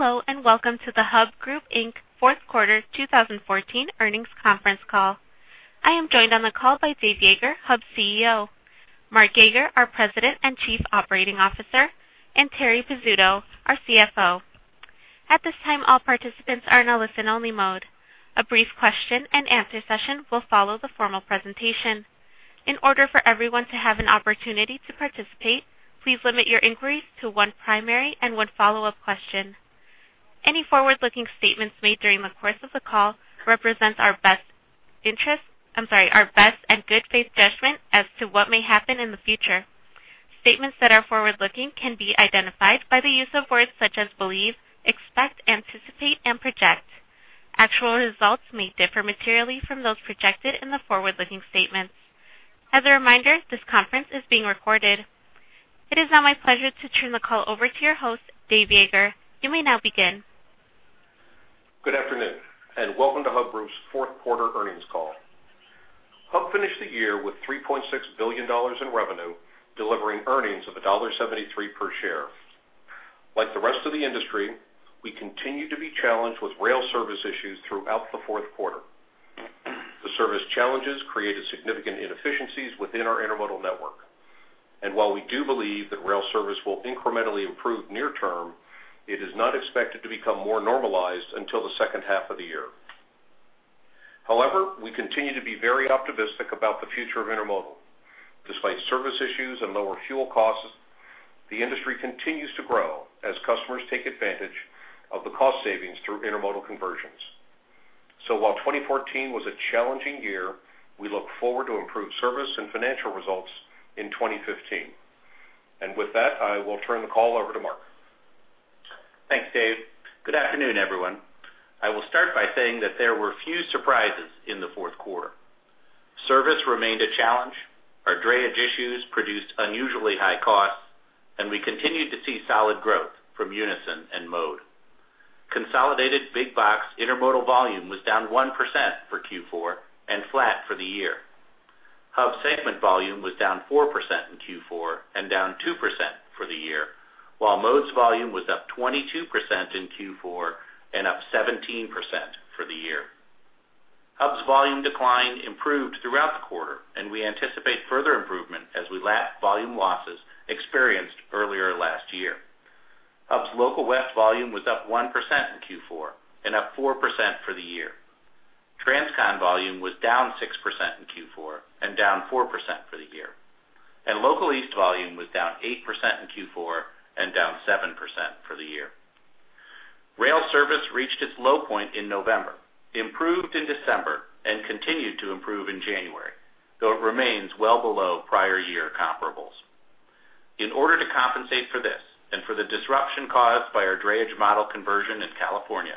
Hello, and welcome to the Hub Group, Inc. fourth quarter 2014 earnings conference call. I am joined on the call by Dave Yeager, Hub CEO, Mark Yeager, our President and Chief Operating Officer, and Terri Pizzuto, our CFO. At this time, all participants are in a listen-only mode. A brief question-and-answer session will follow the formal presentation. In order for everyone to have an opportunity to participate, please limit your inquiries to one primary and one follow-up question. Any forward-looking statements made during the course of the call represents our best interest... I'm sorry, our best and good faith judgment as to what may happen in the future. Statements that are forward-looking can be identified by the use of words such as believe, expect, anticipate, and project. Actual results may differ materially from those projected in the forward-looking statements. As a reminder, this conference is being recorded. It is now my pleasure to turn the call over to your host, Dave Yeager. You may now begin. Good afternoon, and welcome to Hub Group's fourth quarter earnings call. Hub finished the year with $3.6 billion in revenue, delivering earnings of $1.73 per share. Like the rest of the industry, we continue to be challenged with rail service issues throughout the fourth quarter. The service challenges created significant inefficiencies within our intermodal network. And while we do believe that rail service will incrementally improve near term, it is not expected to become more normalized until the second half of the year. However, we continue to be very optimistic about the future of intermodal. Despite service issues and lower fuel costs, the industry continues to grow as customers take advantage of the cost savings through intermodal conversions. So while 2014 was a challenging year, we look forward to improved service and financial results in 2015. With that, I will turn the call over to Mark. Thanks, Dave. Good afternoon, everyone. I will start by saying that there were few surprises in the fourth quarter. Service remained a challenge, our drayage issues produced unusually high costs, and we continued to see solid growth from Unyson and Mode. Consolidated big box intermodal volume was down 1% for Q4 and flat for the year. Hub's segment volume was down 4% in Q4 and down 2% for the year, while Mode's volume was up 22% in Q4 and up 17% for the year. Hub's volume decline improved throughout the quarter, and we anticipate further improvement as we lap volume losses experienced earlier last year. Hub's local west volume was up 1% in Q4 and up 4% for the year. Transcon volume was down 6% in Q4 and down 4% for the year, and local east volume was down 8% in Q4 and down 7% for the year. Rail service reached its low point in November, improved in December, and continued to improve in January, though it remains well below prior year comparables. In order to compensate for this, and for the disruption caused by our drayage model conversion in California,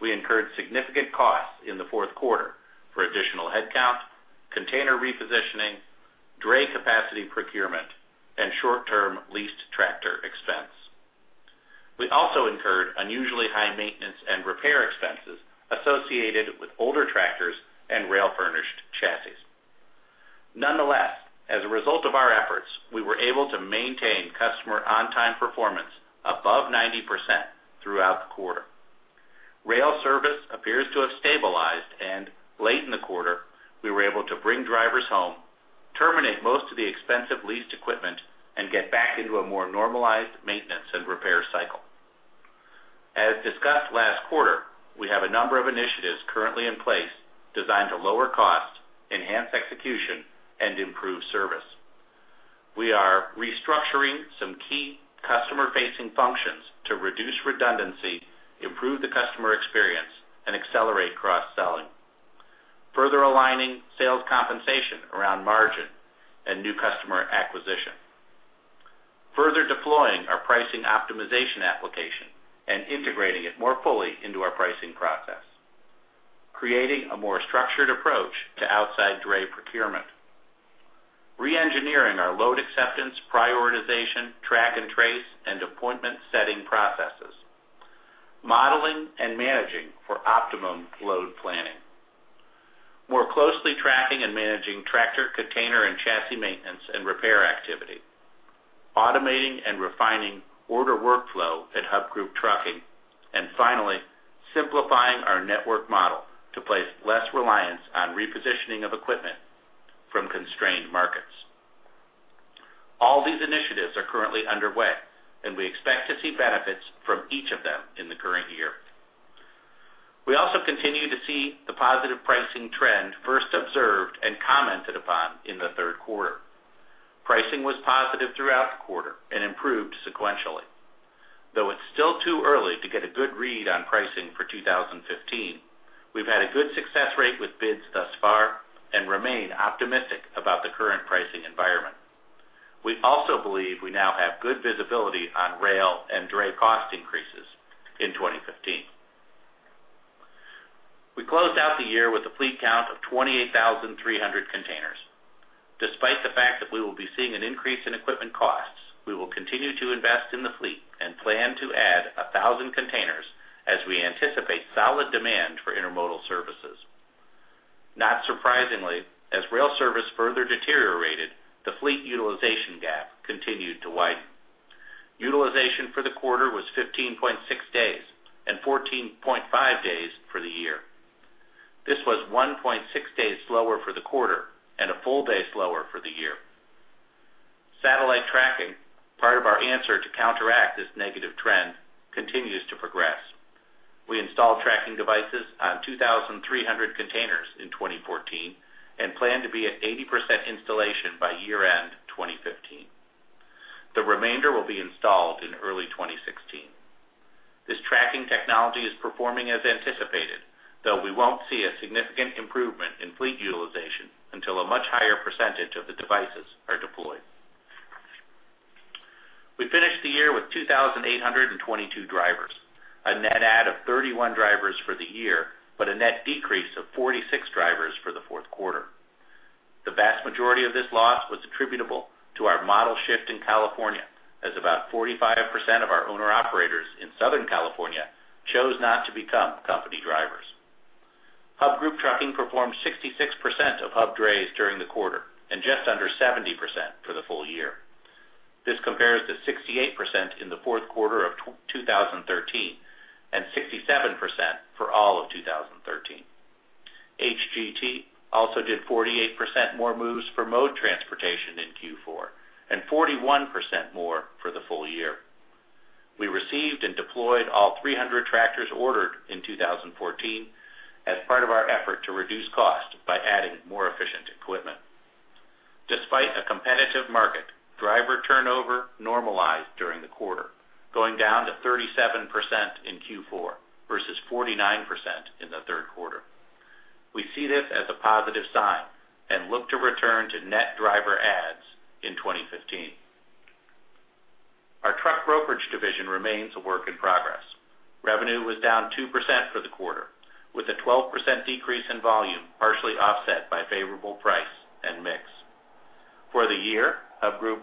we incurred significant costs in the fourth quarter for additional headcount, container repositioning, dray capacity procurement, and short-term leased tractor expense. We also incurred unusually high maintenance and repair expenses associated with older tractors and rail-furnished chassis. Nonetheless, as a result of our efforts, we were able to maintain customer on-time performance above 90% throughout the quarter. Rail service appears to have stabilized, and late in the quarter, we were able to bring drivers home, terminate most of the expensive leased equipment, and get back into a more normalized maintenance and repair cycle. As discussed last quarter, we have a number of initiatives currently in place designed to lower costs, enhance execution, and improve service. We are restructuring some key customer-facing functions to reduce redundancy, improve the customer experience, and accelerate cross-selling, further aligning sales compensation around margin and new customer acquisition. Further deploying our pricing optimization application and integrating it more fully into our pricing process, creating a more structured approach to outside dray procurement. Re-engineering our load acceptance, prioritization, track and trace, and appointment setting processes, modeling and managing for optimum load planning. More closely tracking and managing tractor, container, and chassis maintenance and repair activity, automating and refining order workflow at Hub Group Trucking, and finally, simplifying our network model to place less reliance on repositioning of equipment from constrained markets. All these initiatives are currently underway, and we expect to see benefits from each of them in the current year. We also continue to see the positive pricing trend first observed and commented upon in the third quarter. Pricing was positive throughout the quarter and improved sequentially. Though it's still too early to get a good read on pricing for 2015, we've had a good success rate with bids thus far and remain optimistic about the current pricing environment. We also believe we now have good visibility on rail and dray cost increases in 2015. We closed out the year with a fleet count of 28,300 containers. Despite the fact that we will be seeing an increase in equipment costs, we will continue to invest in the fleet and plan to add 1,000 containers as we anticipate solid demand for intermodal services. Not surprisingly, as rail service further deteriorated, the fleet utilization gap continued to widen. Utilization for the quarter was 15.6 days and 14.5 days for the year. This was 1.6 days slower for the quarter and a full day slower for the year. Satellite tracking, part of our answer to counteract this negative trend, continues to progress. We installed tracking devices on 2,300 containers in 2014 and plan to be at 80% installation by year-end 2015. The remainder will be installed in early 2016. This tracking technology is performing as anticipated, though we won't see a significant improvement in fleet utilization until a much higher percentage of the devices are deployed. We finished the year with 2,822 drivers, a net add of 31 drivers for the year, but a net decrease of 46 drivers for the fourth quarter. The vast majority of this loss was attributable to our model shift in California, as about 45% of our owner-operators in Southern California chose not to become company drivers. Hub Group Trucking performed 66% of hub drays during the quarter and just under 70% for the full year. This compares to 68% in the fourth quarter of 2013, and 67% for all of 2013. HGT also did 48% more moves for Mode Transportation in Q4, and 41% more for the full year. We received and deployed all 300 tractors ordered in 2014 as part of our effort to reduce cost by adding more efficient equipment. Despite a competitive market, driver turnover normalized during the quarter, going down to 37% in Q4 versus 49% in the third quarter. We see this as a positive sign and look to return to net driver adds in 2015. Our truck brokerage division remains a work in progress. Revenue was down 2% for the quarter, with a 12% decrease in volume, partially offset by favorable price and mix. For the year, Hub Group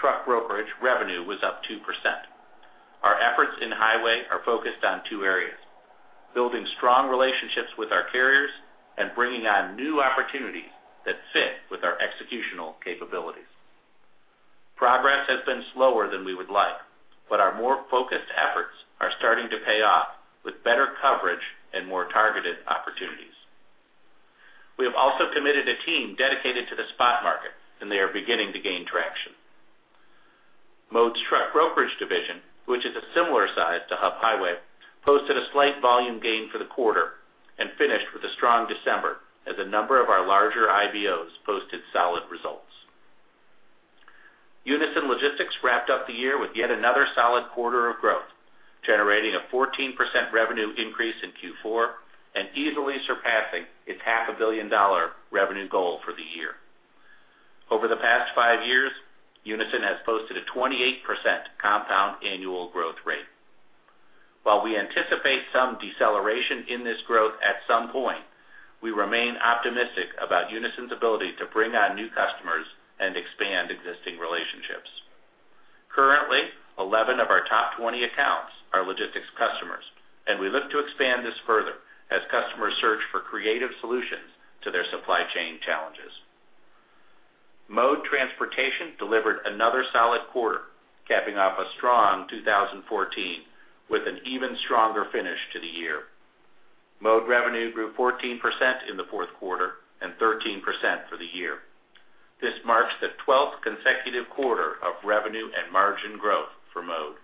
Truck Brokerage revenue was up 2%. Our efforts in Highway are focused on two areas, building strong relationships with our carriers and bringing on new opportunities that fit with our executional capabilities. Progress has been slower than we would like, but our more focused efforts are starting to pay off with better coverage and more targeted opportunities. We have also committed a team dedicated to the spot market, and they are beginning to gain traction. Mode's truck brokerage division, which is a similar size to Hub Highway, posted a slight volume gain for the quarter and finished with a strong December as a number of our larger IBOs posted solid results. Unyson Logistics wrapped up the year with yet another solid quarter of growth, generating a 14% revenue increase in Q4 and easily surpassing its $500 million revenue goal for the year. Over the past five years, Unyson has posted a 28% compound annual growth rate. While we anticipate some deceleration in this growth at some point, we remain optimistic about Unyson's ability to bring on new customers and expand existing relationships. Currently, 11 of our top 20 accounts are logistics customers, and we look to expand this further as customers search for creative solutions to their supply chain challenges. Mode Transportation delivered another solid quarter, capping off a strong 2014, with an even stronger finish to the year. Mode revenue grew 14% in the fourth quarter and 13% for the year. This marks the 12th consecutive quarter of revenue and margin growth for Mode.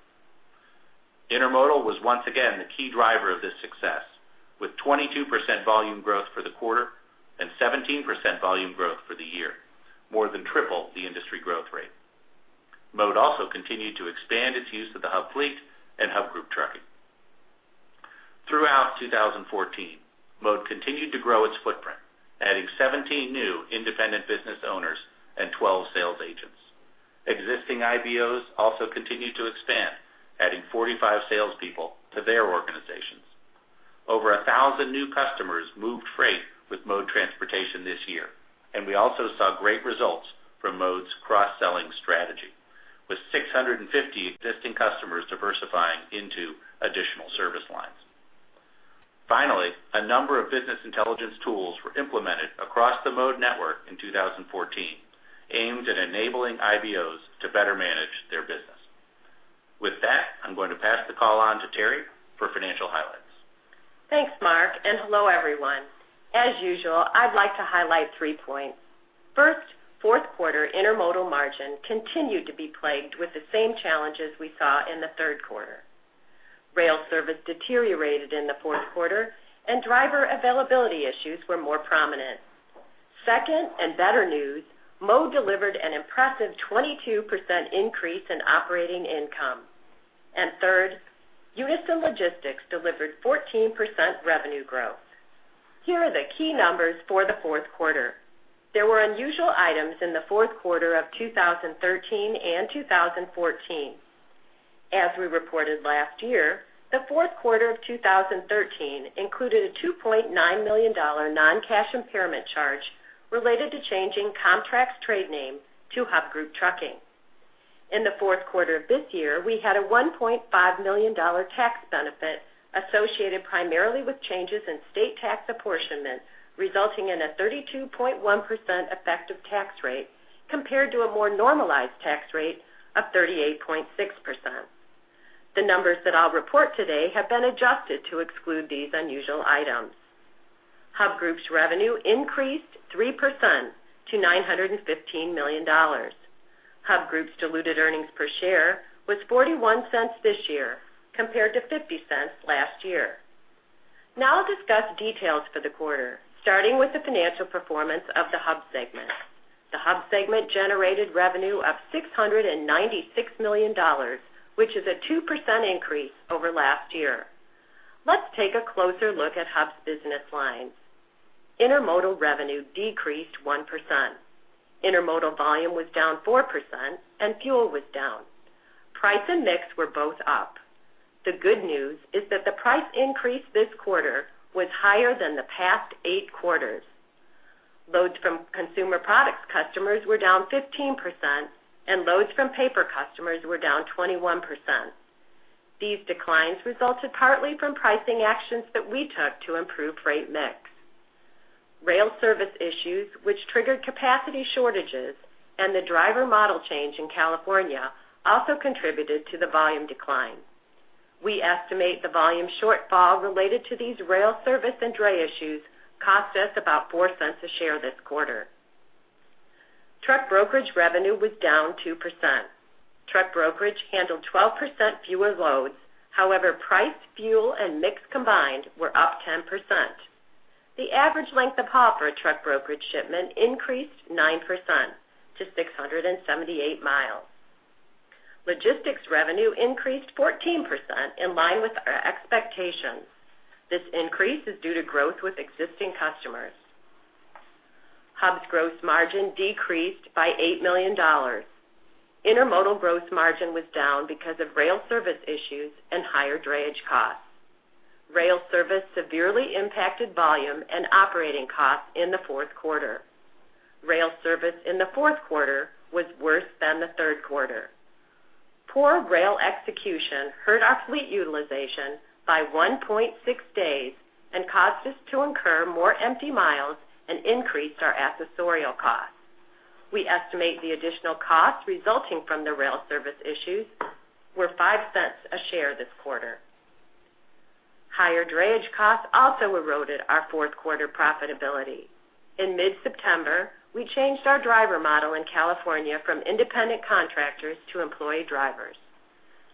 Intermodal was once again the key driver of this success, with 22% volume growth for the quarter and 17% volume growth for the year, more than triple the industry growth rate. Mode also continued to expand its use of the Hub fleet and Hub Group Trucking. Throughout 2014, Mode continued to grow its footprint, adding 17 new independent business owners and 12 sales agents. Existing IBOs also continued to expand, adding 45 salespeople to their organizations. Over 1,000 new customers moved freight with Mode Transportation this year, and we also saw great results from Mode's cross-selling strategy, with 650 existing customers diversifying into additional service lines. Finally, a number of business intelligence tools were implemented across the Mode network in 2014, aimed at enabling IBOs to better manage their business. With that, I'm going to pass the call on to Terri for financial highlights. Thanks, Mark, and hello, everyone. As usual, I'd like to highlight three points. First, fourth quarter intermodal margin continued to be plagued with the same challenges we saw in the third quarter. Rail service deteriorated in the fourth quarter, and driver availability issues were more prominent. Second, and better news, Mode delivered an impressive 22% increase in operating income. And third, Unyson Logistics delivered 14% revenue growth. Here are the key numbers for the fourth quarter. There were unusual items in the fourth quarter of 2013 and 2014. As we reported last year, the fourth quarter of 2013 included a $2.9 million non-cash impairment charge related to changing Comtrak's trade name to Hub Group Trucking.... In the fourth quarter of this year, we had a $1.5 million tax benefit associated primarily with changes in state tax apportionment, resulting in a 32.1% effective tax rate, compared to a more normalized tax rate of 38.6%. The numbers that I'll report today have been adjusted to exclude these unusual items. Hub Group's revenue increased 3% to $915 million. Hub Group's diluted earnings per share was $0.41 this year, compared to $0.50 last year. Now I'll discuss details for the quarter, starting with the financial performance of the Hub segment. The Hub segment generated revenue of $696 million, which is a 2% increase over last year. Let's take a closer look at Hub's business lines. Intermodal revenue decreased 1%. Intermodal volume was down 4%, and fuel was down. Price and mix were both up. The good news is that the price increase this quarter was higher than the past eight quarters. Loads from consumer products customers were down 15%, and loads from paper customers were down 21%. These declines resulted partly from pricing actions that we took to improve freight mix. Rail service issues, which triggered capacity shortages, and the driver model change in California, also contributed to the volume decline. We estimate the volume shortfall related to these rail service and dray issues cost us about $0.04 a share this quarter. Truck brokerage revenue was down 2%. Truck brokerage handled 12% fewer loads. However, price, fuel, and mix combined were up 10%. The average length of haul for a truck brokerage shipment increased 9% to 678 miles. Logistics revenue increased 14%, in line with our expectations. This increase is due to growth with existing customers. Hub's gross margin decreased by $8 million. Intermodal gross margin was down because of rail service issues and higher drayage costs. Rail service severely impacted volume and operating costs in the fourth quarter. Rail service in the fourth quarter was worse than the third quarter. Poor rail execution hurt our fleet utilization by 1.6 days and caused us to incur more empty miles and increased our accessorial costs. We estimate the additional costs resulting from the rail service issues were $0.05 a share this quarter. Higher drayage costs also eroded our fourth quarter profitability. In mid-September, we changed our driver model in California from independent contractors to employee drivers.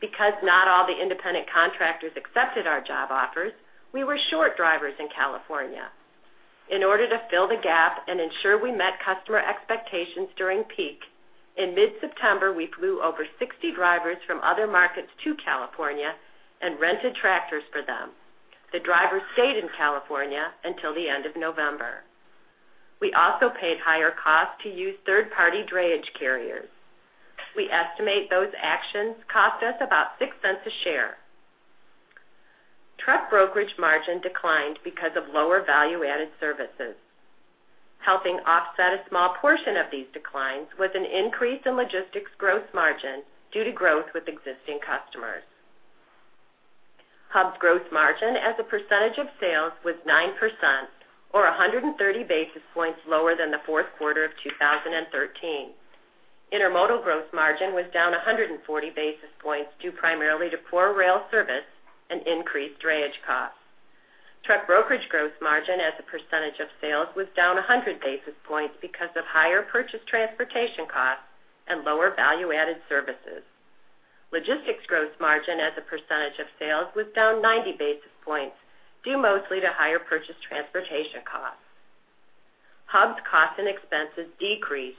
Because not all the independent contractors accepted our job offers, we were short drivers in California. In order to fill the gap and ensure we met customer expectations during peak, in mid-September, we flew over 60 drivers from other markets to California and rented tractors for them. The drivers stayed in California until the end of November. We also paid higher costs to use third-party drayage carriers. We estimate those actions cost us about $0.06 a share. Truck brokerage margin declined because of lower value-added services. Helping offset a small portion of these declines was an increase in logistics gross margin due to growth with existing customers. Hub's gross margin as a percentage of sales was 9%, or 130 basis points lower than the fourth quarter of 2013. Intermodal gross margin was down 140 basis points due primarily to poor rail service and increased drayage costs. Truck brokerage gross margin as a percentage of sales was down 100 basis points because of higher purchase transportation costs and lower value-added services. Logistics gross margin as a percentage of sales was down 90 basis points, due mostly to higher purchase transportation costs. Hub's costs and expenses decreased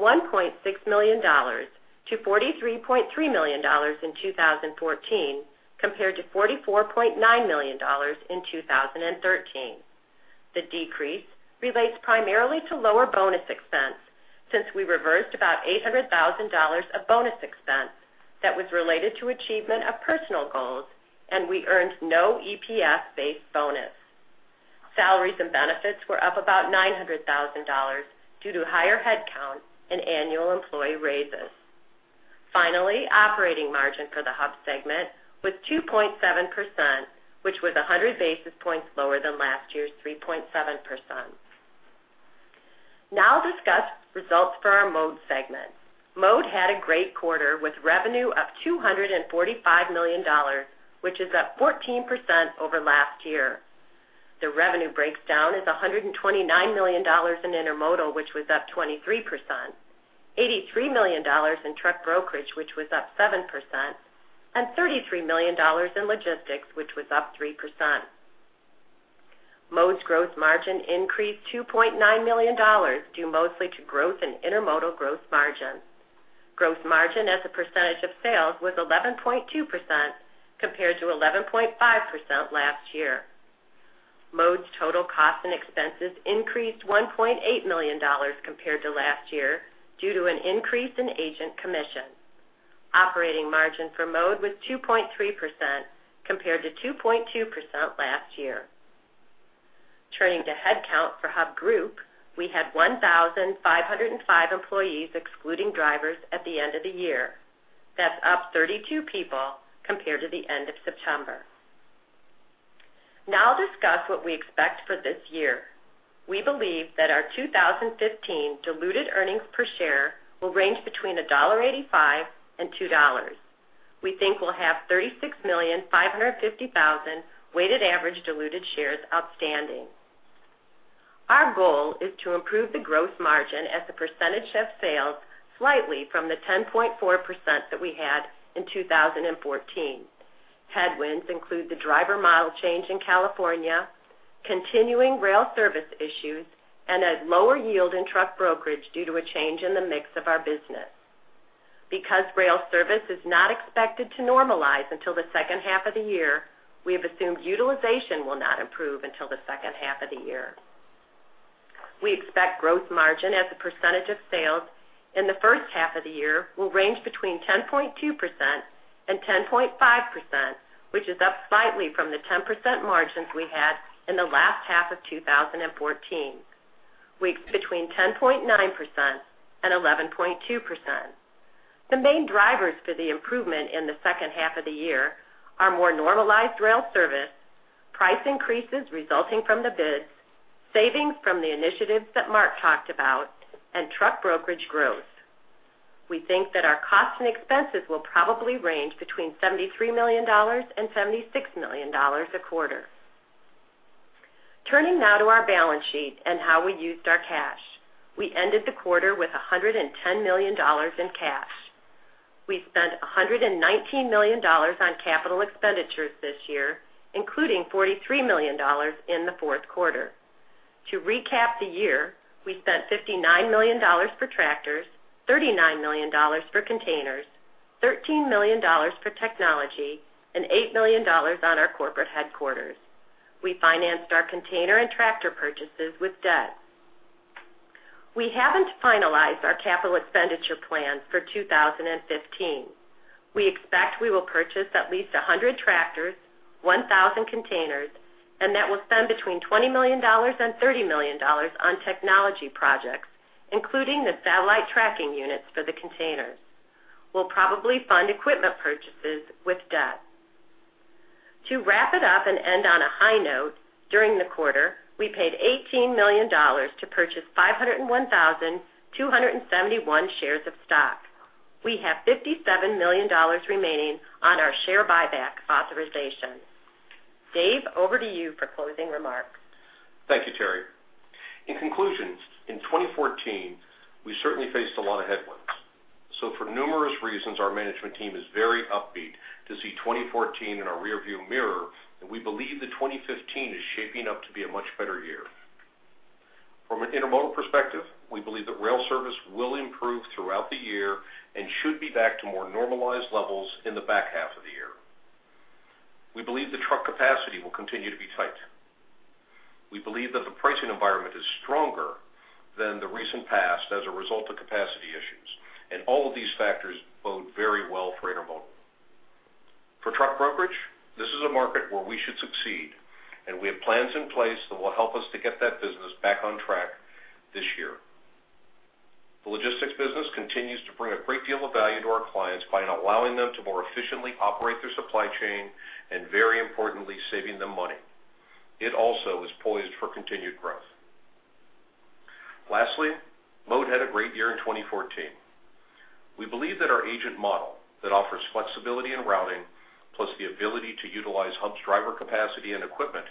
$1.6 million-$43.3 million in 2014, compared to $44.9 million in 2013. The decrease relates primarily to lower bonus expense, since we reversed about $800,000 of bonus expense that was related to achievement of personal goals, and we earned no EPS-based bonus. Salaries and benefits were up about $900,000 due to higher headcount and annual employee raises. Finally, operating margin for the Hub segment was 2.7%, which was 100 basis points lower than last year's 3.7%. Now I'll discuss results for our Mode segment. Mode had a great quarter, with revenue up $245 million, which is up 14% over last year. The revenue breaks down as $129 million in intermodal, which was up 23%, $83 million in truck brokerage, which was up 7%, and $33 million in logistics, which was up 3%. Mode's gross margin increased $2.9 million, due mostly to growth in intermodal gross margin. Gross margin as a percentage of sales was 11.2%, compared to 11.5% last year. Mode's total costs and expenses increased $1.8 million compared to last year due to an increase in agent commission. Operating margin for Mode was 2.3%, compared to 2.2% last year.... Turning to headcount for Hub Group, we had 1,505 employees, excluding drivers, at the end of the year. That's up 32 people compared to the end of September. Now I'll discuss what we expect for this year. We believe that our 2015 diluted earnings per share will range between $1.85 and $2. We think we'll have 36,550,000 weighted average diluted shares outstanding. Our goal is to improve the gross margin as a percentage of sales slightly from the 10.4% that we had in 2014. Headwinds include the driver model change in California, continuing rail service issues, and a lower yield in truck brokerage due to a change in the mix of our business. Because rail service is not expected to normalize until the second half of the year, we have assumed utilization will not improve until the second half of the year. We expect gross margin as a percentage of sales in the first half of the year will range between 10.2% and 10.5%, which is up slightly from the 10% margins we had in the last half of 2014. We between 10.9% and 11.2%. The main drivers for the improvement in the second half of the year are more normalized rail service, price increases resulting from the bids, savings from the initiatives that Mark talked about, and truck brokerage growth. We think that our costs and expenses will probably range between $73 million and $76 million a quarter. Turning now to our balance sheet and how we used our cash. We ended the quarter with $110 million in cash. We spent $119 million on capital expenditures this year, including $43 million in the fourth quarter. To recap the year, we spent $59 million for tractors, $39 million for containers, $13 million for technology, and $8 million on our corporate headquarters. We financed our container and tractor purchases with debt. We haven't finalized our capital expenditure plan for 2015. We expect we will purchase at least 100 tractors, 1,000 containers, and that we'll spend between $20 million and $30 million on technology projects, including the satellite tracking units for the containers. We'll probably fund equipment purchases with debt. To wrap it up and end on a high note, during the quarter, we paid $18 million to purchase 501,271 shares of stock. We have $57 million remaining on our share buyback authorization. Dave, over to you for closing remarks. Thank you, Terri. In conclusion, in 2014, we certainly faced a lot of headwinds. For numerous reasons, our management team is very upbeat to see 2014 in our rearview mirror, and we believe that 2015 is shaping up to be a much better year. From an intermodal perspective, we believe that rail service will improve throughout the year and should be back to more normalized levels in the back half of the year. We believe the truck capacity will continue to be tight. We believe that the pricing environment is stronger than the recent past as a result of capacity issues, and all of these factors bode very well for intermodal. For truck brokerage, this is a market where we should succeed, and we have plans in place that will help us to get that business back on track this year. The logistics business continues to bring a great deal of value to our clients by allowing them to more efficiently operate their supply chain and, very importantly, saving them money. It also is poised for continued growth. Lastly, Mode had a great year in 2014. We believe that our agent model that offers flexibility in routing, plus the ability to utilize Hub's driver capacity and equipment,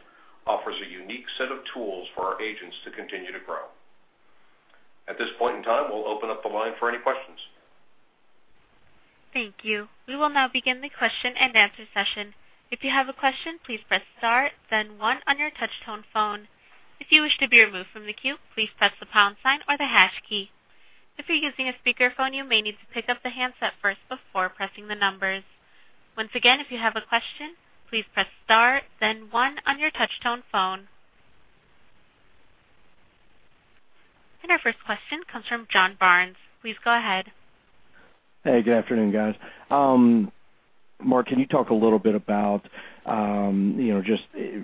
offers a unique set of tools for our agents to continue to grow. At this point in time, we'll open up the line for any questions. Thank you. We will now begin the question-and-answer session. If you have a question, please press star, then one on your touch-tone phone. If you wish to be removed from the queue, please press the pound sign or the hash key. If you're using a speakerphone, you may need to pick up the handset first before pressing the numbers. Once again, if you have a question, please press star, then one on your touch-tone phone. Our first question comes from John Barnes. Please go ahead. Hey, good afternoon, guys. Mark, can you talk a little bit about, you know, just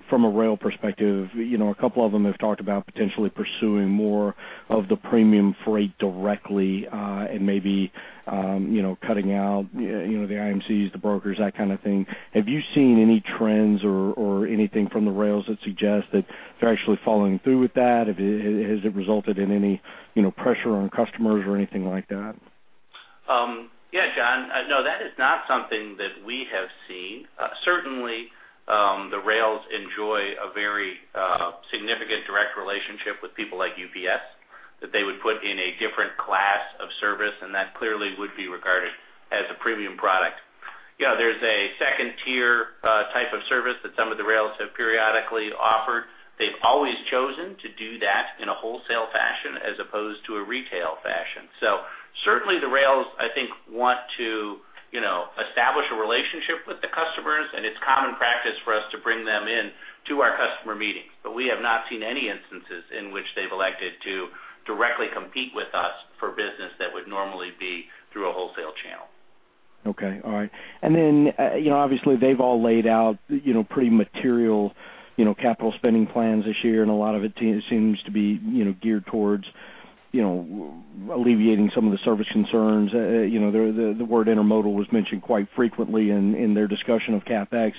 from a rail perspective, you know, a couple of them have talked about potentially pursuing more of the premium freight directly, and maybe, you know, cutting out, you know, the IMCs, the brokers, that kind of thing. Have you seen any trends or anything from the rails that suggest that they're actually following through with that? Has it resulted in any, you know, pressure on customers or anything like that? Yeah, John, no, that is not something that we have seen. Certainly, the rails enjoy a very significant direct relationship with people like UPS, that they would put in a different class of service, and that clearly would be regarded as a premium product. You know, there's a second-tier type of service that some of the rails have periodically offered. They've always chosen to do that in a wholesale fashion as opposed to a retail fashion. So certainly, the rails, I think, want to, you know, establish a relationship with the customers, and it's common practice for us to bring them in to our customer meetings. But we have not seen any instances in which they've elected to directly compete with us for business that would normally be through a wholesale channel.... Okay. All right. And then, you know, obviously, they've all laid out, you know, pretty material, you know, capital spending plans this year, and a lot of it seems to be, you know, geared towards, you know, alleviating some of the service concerns. You know, the word intermodal was mentioned quite frequently in their discussion of CapEx.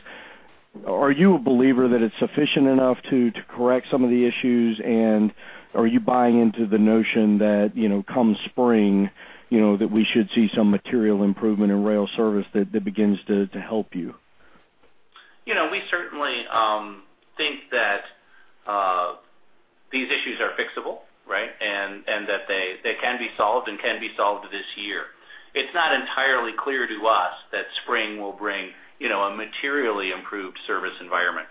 Are you a believer that it's sufficient enough to correct some of the issues, and are you buying into the notion that, you know, come spring, you know, that we should see some material improvement in rail service that begins to help you? You know, we certainly think that these issues are fixable, right? And that they can be solved and can be solved this year. It's not entirely clear to us that spring will bring, you know, a materially improved service environment.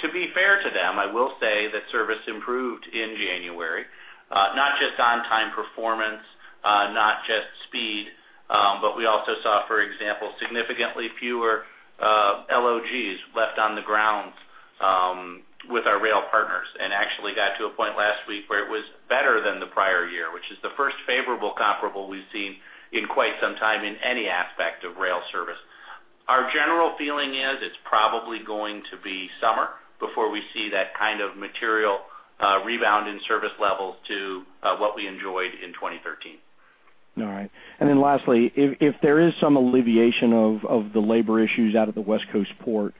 To be fair to them, I will say that service improved in January, not just on-time performance, not just speed, but we also saw, for example, significantly fewer LOGs left on the ground with our rail partners, and actually got to a point last week where it was better than the prior year, which is the first favorable comparable we've seen in quite some time in any aspect of rail service. Our general feeling is it's probably going to be summer before we see that kind of material rebound in service levels to what we enjoyed in 2013. All right. And then lastly, if there is some alleviation of the labor issues out of the West Coast port,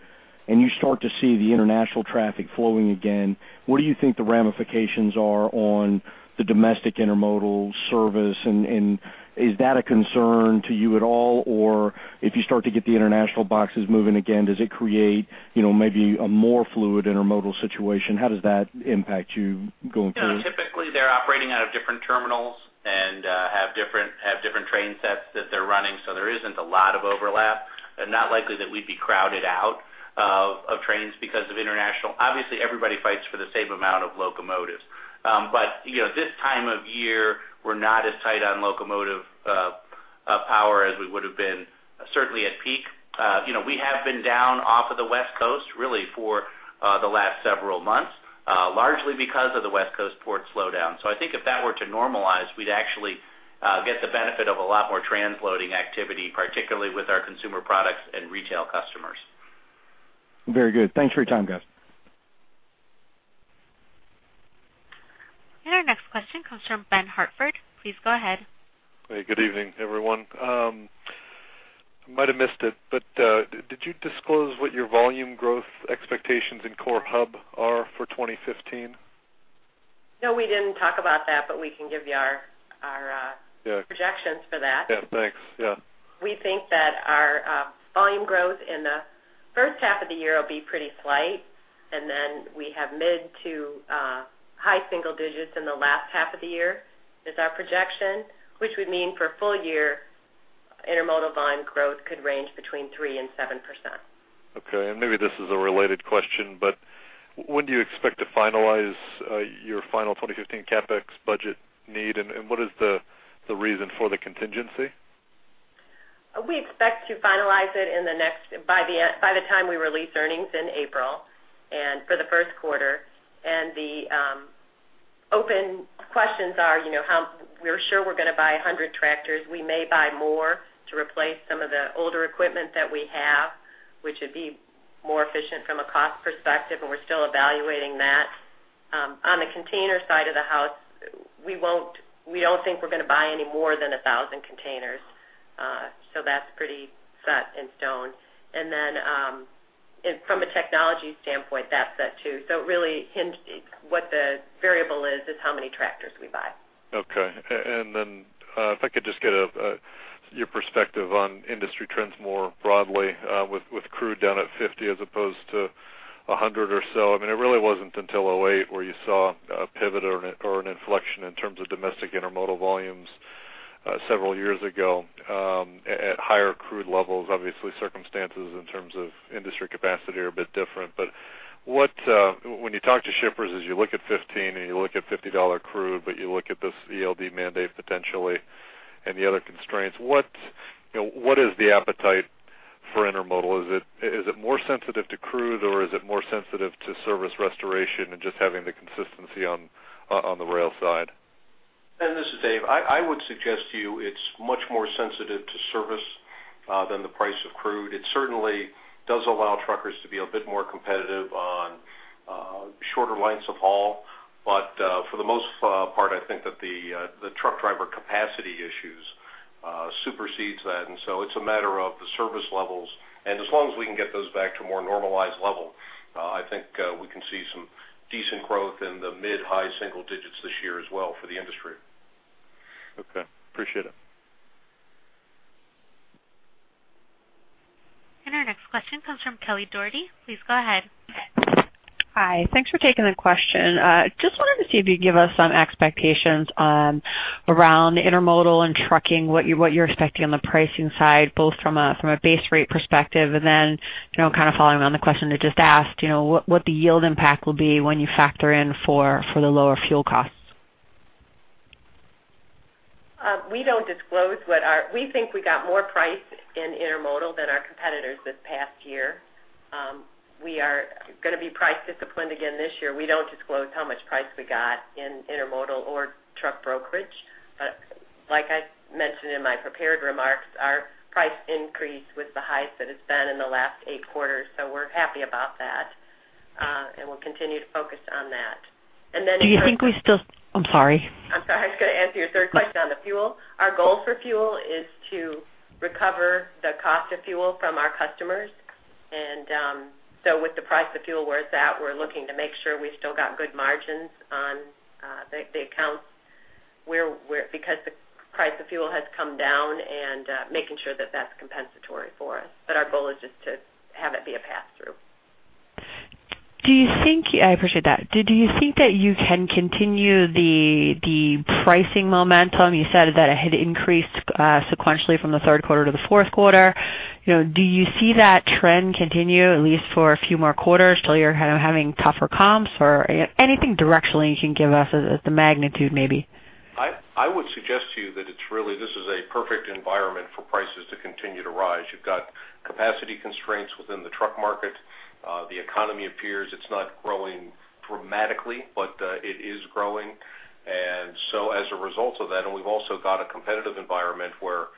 and you start to see the international traffic flowing again, what do you think the ramifications are on the domestic intermodal service? And is that a concern to you at all? Or if you start to get the international boxes moving again, does it create, you know, maybe a more fluid intermodal situation? How does that impact you going forward? Yeah, typically, they're operating out of different terminals and have different train sets that they're running, so there isn't a lot of overlap, and not likely that we'd be crowded out of trains because of international. Obviously, everybody fights for the same amount of locomotives. But, you know, this time of year, we're not as tight on locomotive power as we would have been certainly at peak. You know, we have been down off of the West Coast, really for the last several months, largely because of the West Coast port slowdown. So I think if that were to normalize, we'd actually get the benefit of a lot more transloading activity, particularly with our consumer products and retail customers. Very good. Thanks for your time, guys. Our next question comes from Ben Hartford. Please go ahead. Hey, good evening, everyone. Might have missed it, but did you disclose what your volume growth expectations in core Hub are for 2015? No, we didn't talk about that, but we can give you our Yeah. Projections for that. Yeah, thanks. Yeah. We think that our volume growth in the first half of the year will be pretty slight, and then we have mid- to high-single digits in the last half of the year, is our projection, which would mean for full year, intermodal volume growth could range between 3% and 7%. Okay. And maybe this is a related question, but when do you expect to finalize your final 2015 CapEx budget need, and, and what is the, the reason for the contingency? We expect to finalize it by the end, by the time we release earnings in April, and for the first quarter. And the open questions are, you know, how. We're sure we're gonna buy 100 tractors. We may buy more to replace some of the older equipment that we have, which would be more efficient from a cost perspective, and we're still evaluating that. On the container side of the house, we won't, we don't think we're gonna buy any more than 1,000 containers, so that's pretty set in stone. And then, and from a technology standpoint, that's set, too. So it really hinges. What the variable is, is how many tractors we buy. Okay. And then, if I could just get your perspective on industry trends more broadly, with crude down at 50 as opposed to 100 or so. I mean, it really wasn't until 2008, where you saw a pivot or an, or an inflection in terms of domestic intermodal volumes, several years ago, at higher crude levels. Obviously, circumstances in terms of industry capacity are a bit different. But what, when you talk to shippers, as you look at 15 and you look at $50 crude, but you look at this ELD mandate potentially and the other constraints, what, you know, what is the appetite for intermodal? Is it, is it more sensitive to crude, or is it more sensitive to service restoration and just having the consistency on, on the rail side? This is Dave. I would suggest to you it's much more sensitive to service than the price of crude. It certainly does allow truckers to be a bit more competitive on shorter lengths of haul, but for the most part, I think that the truck driver capacity issues supersedes that. And so it's a matter of the service levels. And as long as we can get those back to a more normalized level, I think we can see some decent growth in the mid-high single digits this year as well for the industry. Okay. Appreciate it. Our next question comes from Kelly Dougherty. Please go ahead. Hi. Thanks for taking the question. Just wanted to see if you'd give us some expectations around intermodal and trucking, what you're, what you're expecting on the pricing side, both from a, from a base rate perspective, and then, you know, kind of following on the question I just asked, you know, what, what the yield impact will be when you factor in for, for the lower fuel costs? We think we got more price in intermodal than our competitors this past year. We are going to be price disciplined again this year. We don't disclose how much price we got in intermodal or truck brokerage, but like I mentioned in my prepared remarks, our price increase was the highest that it's been in the last eight quarters, so we're happy about that, and we'll continue to focus on that. And then- Do you think we still...? I'm sorry. I'm sorry. I was going to answer your third question on the fuel. Our goal for fuel is to recover the cost of fuel from our customers. And, so with the price of fuel where it's at, we're looking to make sure we still got good margins on the accounts where because the price of fuel has come down and making sure that that's compensatory for us. But our goal is just to have it be a pass-through. I appreciate that. Do you think that you can continue the pricing momentum? You said that it had increased sequentially from the third quarter to the fourth quarter. You know, do you see that trend continue at least for a few more quarters till you're kind of having tougher comps, or anything directionally you can give us at the magnitude, maybe? I would suggest to you that it's really, this is a perfect environment for prices to continue to rise. You've got capacity constraints within the truck market. The economy appears it's not growing dramatically, but it is growing. And so as a result of that, and we've also got a competitive environment where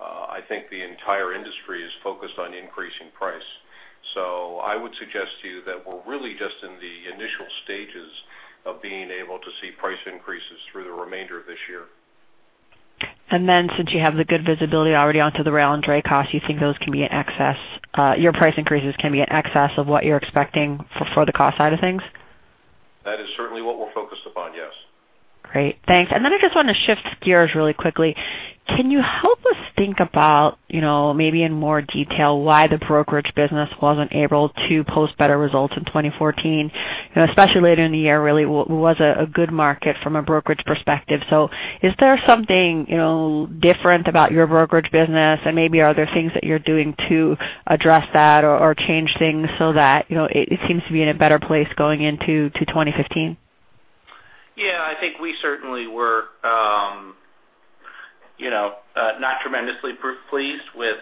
I think the entire industry is focused on increasing price. So I would suggest to you that we're really just in the initial stages of being able to see price increases through the remainder of this year. And then, since you have the good visibility already onto the rail and dray cost, you think those can be in excess, your price increases can be in excess of what you're expecting for the cost side of things? That is certainly what we're focused upon, yes. Great. Thanks. And then I just want to shift gears really quickly. Can you help us think about, you know, maybe in more detail, why the brokerage business wasn't able to post better results in 2014, you know, especially later in the year, really, was a good market from a brokerage perspective. So is there something, you know, different about your brokerage business, and maybe are there things that you're doing to address that or, or change things so that, you know, it, it seems to be in a better place going into 2015? Yeah, I think we certainly were, you know, not tremendously pleased with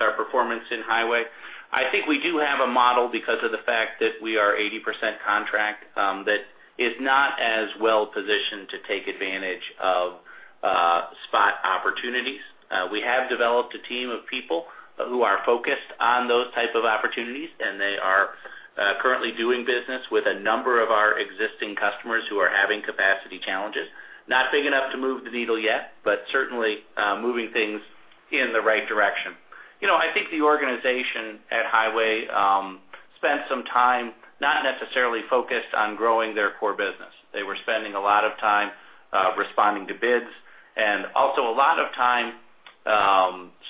our performance in Highway. I think we do have a model, because of the fact that we are 80% contract, that is not as well positioned to take advantage of spot opportunities. We have developed a team of people who are focused on those type of opportunities, and they are currently doing business with a number of our existing customers who are having capacity challenges. Not big enough to move the needle yet, but certainly moving things in the right direction. You know, I think the organization at Highway spent some time not necessarily focused on growing their core business. They were spending a lot of time responding to bids and also a lot of time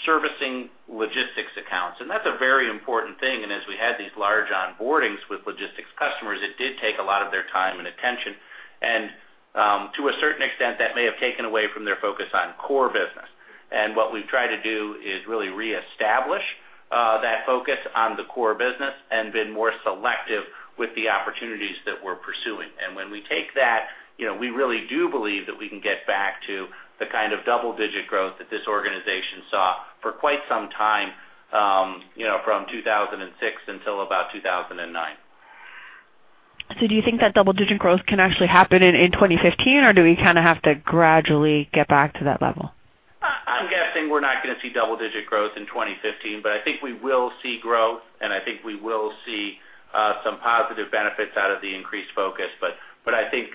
servicing logistics accounts. And that's a very important thing. And as we had these large onboardings with logistics customers, it did take a lot of their time and attention. And, to a certain extent, that may have taken away from their focus on core business. And what we've tried to do is really reestablish that focus on the core business and been more selective with the opportunities that we're pursuing. And when we take that, you know, we really do believe that we can get back to the kind of double-digit growth that this organization saw for quite some time, you know, from 2006 until about 2009. Do you think that double-digit growth can actually happen in 2015, or do we kind of have to gradually get back to that level? I'm guessing we're not going to see double-digit growth in 2015, but I think we will see growth, and I think we will see some positive benefits out of the increased focus. But I think,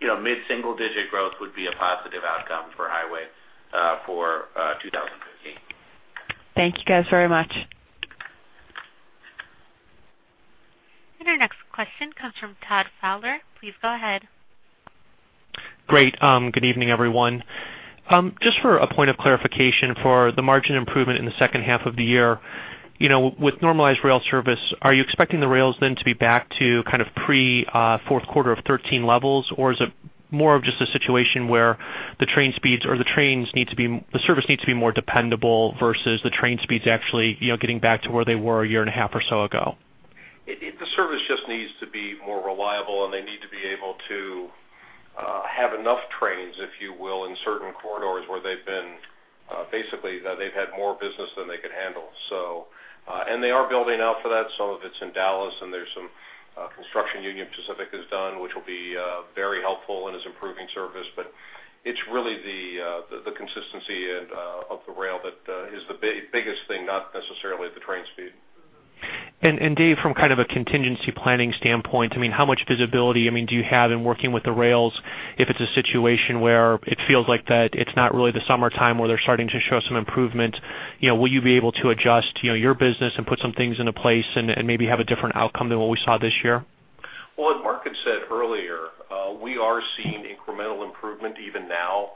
you know, mid-single-digit growth would be a positive outcome for Highway for 2015. Thank you guys, very much. Our next question comes from Todd Fowler. Please go ahead. Great. Good evening, everyone. Just for a point of clarification, for the margin improvement in the second half of the year, you know, with normalized rail service, are you expecting the rails then to be back to kind of pre, fourth quarter of 2013 levels? Or is it more of just a situation where the train speeds or the trains need to be, the service needs to be more dependable versus the train speeds actually, you know, getting back to where they were a year and a half or so ago? The service just needs to be more reliable, and they need to be able to have enough trains, if you will, in certain corridors where they've been basically, they've had more business than they could handle. So, and they are building out for that. Some of it's in Dallas, and there's some construction Union Pacific has done, which will be very helpful and is improving service. But it's really the consistency and of the rail that is the biggest thing, not necessarily the train speed. And Dave, from kind of a contingency planning standpoint, I mean, how much visibility, I mean, do you have in working with the rails if it's a situation where it feels like that it's not really the summertime where they're starting to show some improvement, you know, will you be able to adjust, you know, your business and put some things into place and maybe have a different outcome than what we saw this year? Well, as Mark had said earlier, we are seeing incremental improvement even now,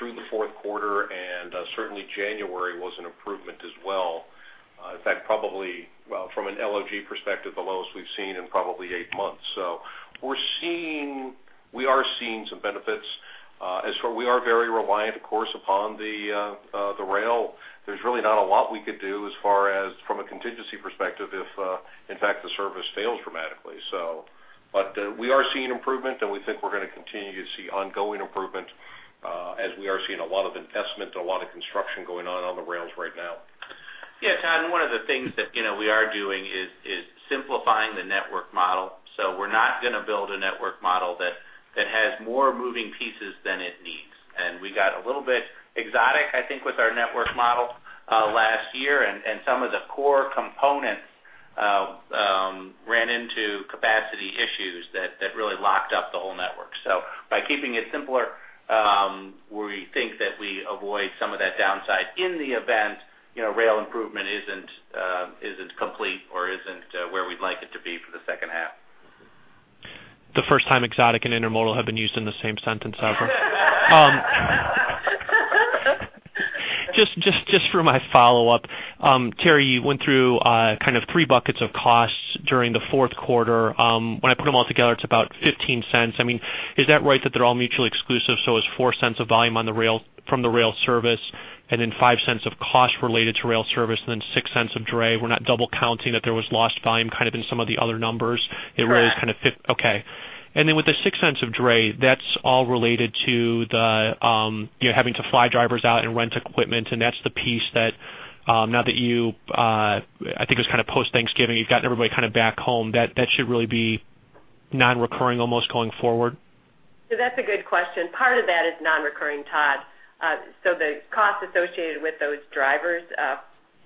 through the fourth quarter, and certainly January was an improvement as well. In fact, probably, well, from an LOG perspective, the lowest we've seen in probably eight months. So we're seeing—we are seeing some benefits. As for we are very reliant, of course, upon the, the rail. There's really not a lot we could do as far as from a contingency perspective, if, in fact, the service fails dramatically. So but, we are seeing improvement, and we think we're going to continue to see ongoing improvement, as we are seeing a lot of investment and a lot of construction going on on the rails right now. ... Yeah, Todd, and one of the things that, you know, we are doing is simplifying the network model. So we're not gonna build a network model that has more moving pieces than it needs. And we got a little bit exotic, I think, with our network model last year, and some of the core components ran into capacity issues that really locked up the whole network. So by keeping it simpler, we think that we avoid some of that downside in the event, you know, rail improvement isn't complete or isn't where we'd like it to be for the second half. The first time exotic and intermodal have been used in the same sentence ever. Just for my follow-up, Terri, you went through kind of three buckets of costs during the fourth quarter. When I put them all together, it's about $0.15. I mean, is that right, that they're all mutually exclusive, so it's $0.04 of volume on the rail—from the rail service, and then $0.05 of cost related to rail service, and then $0.06 of dray? We're not double counting that there was lost volume kind of in some of the other numbers? Correct. Okay. And then with the $0.06 of dray, that's all related to the, you know, having to fly drivers out and rent equipment, and that's the piece that, now that you, I think it was kind of post-Thanksgiving, you've gotten everybody kind of back home, that, that should really be nonrecurring almost going forward? So that's a good question. Part of that is nonrecurring, Todd. So the costs associated with those drivers,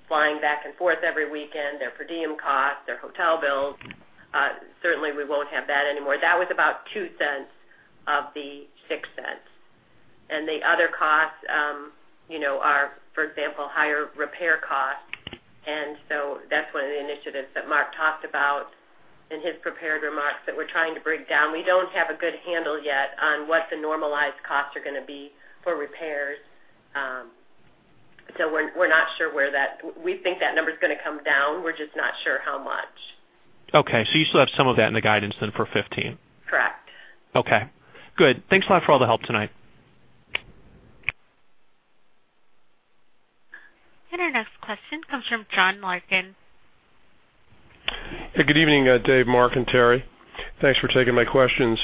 flying back and forth every weekend, their per diem costs, their hotel bills, certainly we won't have that anymore. That was about $0.02 of the $0.06. And the other costs, you know, are, for example, higher repair costs. And so that's one of the initiatives that Mark talked about in his prepared remarks that we're trying to break down. We don't have a good handle yet on what the normalized costs are gonna be for repairs. So we're not sure where that. We think that number is gonna come down. We're just not sure how much. Okay, so you still have some of that in the guidance then for 2015? Correct. Okay, good. Thanks a lot for all the help tonight. Our next question comes from John Larkin. Hey, good evening, Dave, Mark, and Terri. Thanks for taking my questions.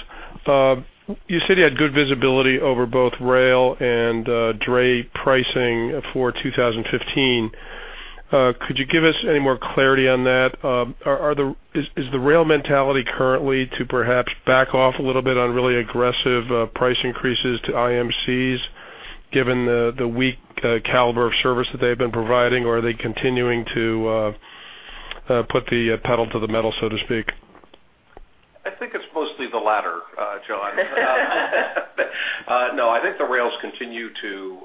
You said you had good visibility over both rail and dray pricing for 2015. Could you give us any more clarity on that? Is the rail mentality currently to perhaps back off a little bit on really aggressive price increases to IMCs, given the weak caliber of service that they've been providing, or are they continuing to put the pedal to the metal, so to speak? I think it's mostly the latter, John. No, I think the rails continue to